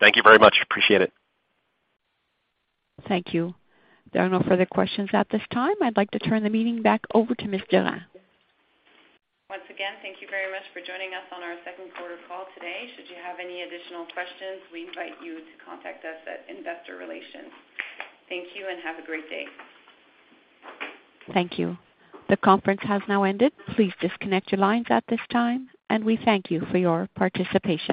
Speaker 18: Thank you very much. Appreciate it.
Speaker 1: Thank you. There are no further questions at this time. I'd like to turn the meeting back over to Valérie Durand.
Speaker 2: Once again, thank you very much for joining us on our second quarter call today. Should you have any additional questions, we invite you to contact us at Investor Relations. Thank you, and have a great day.
Speaker 1: Thank you. The conference has now ended. Please disconnect your lines at this time, and we thank you for your participation.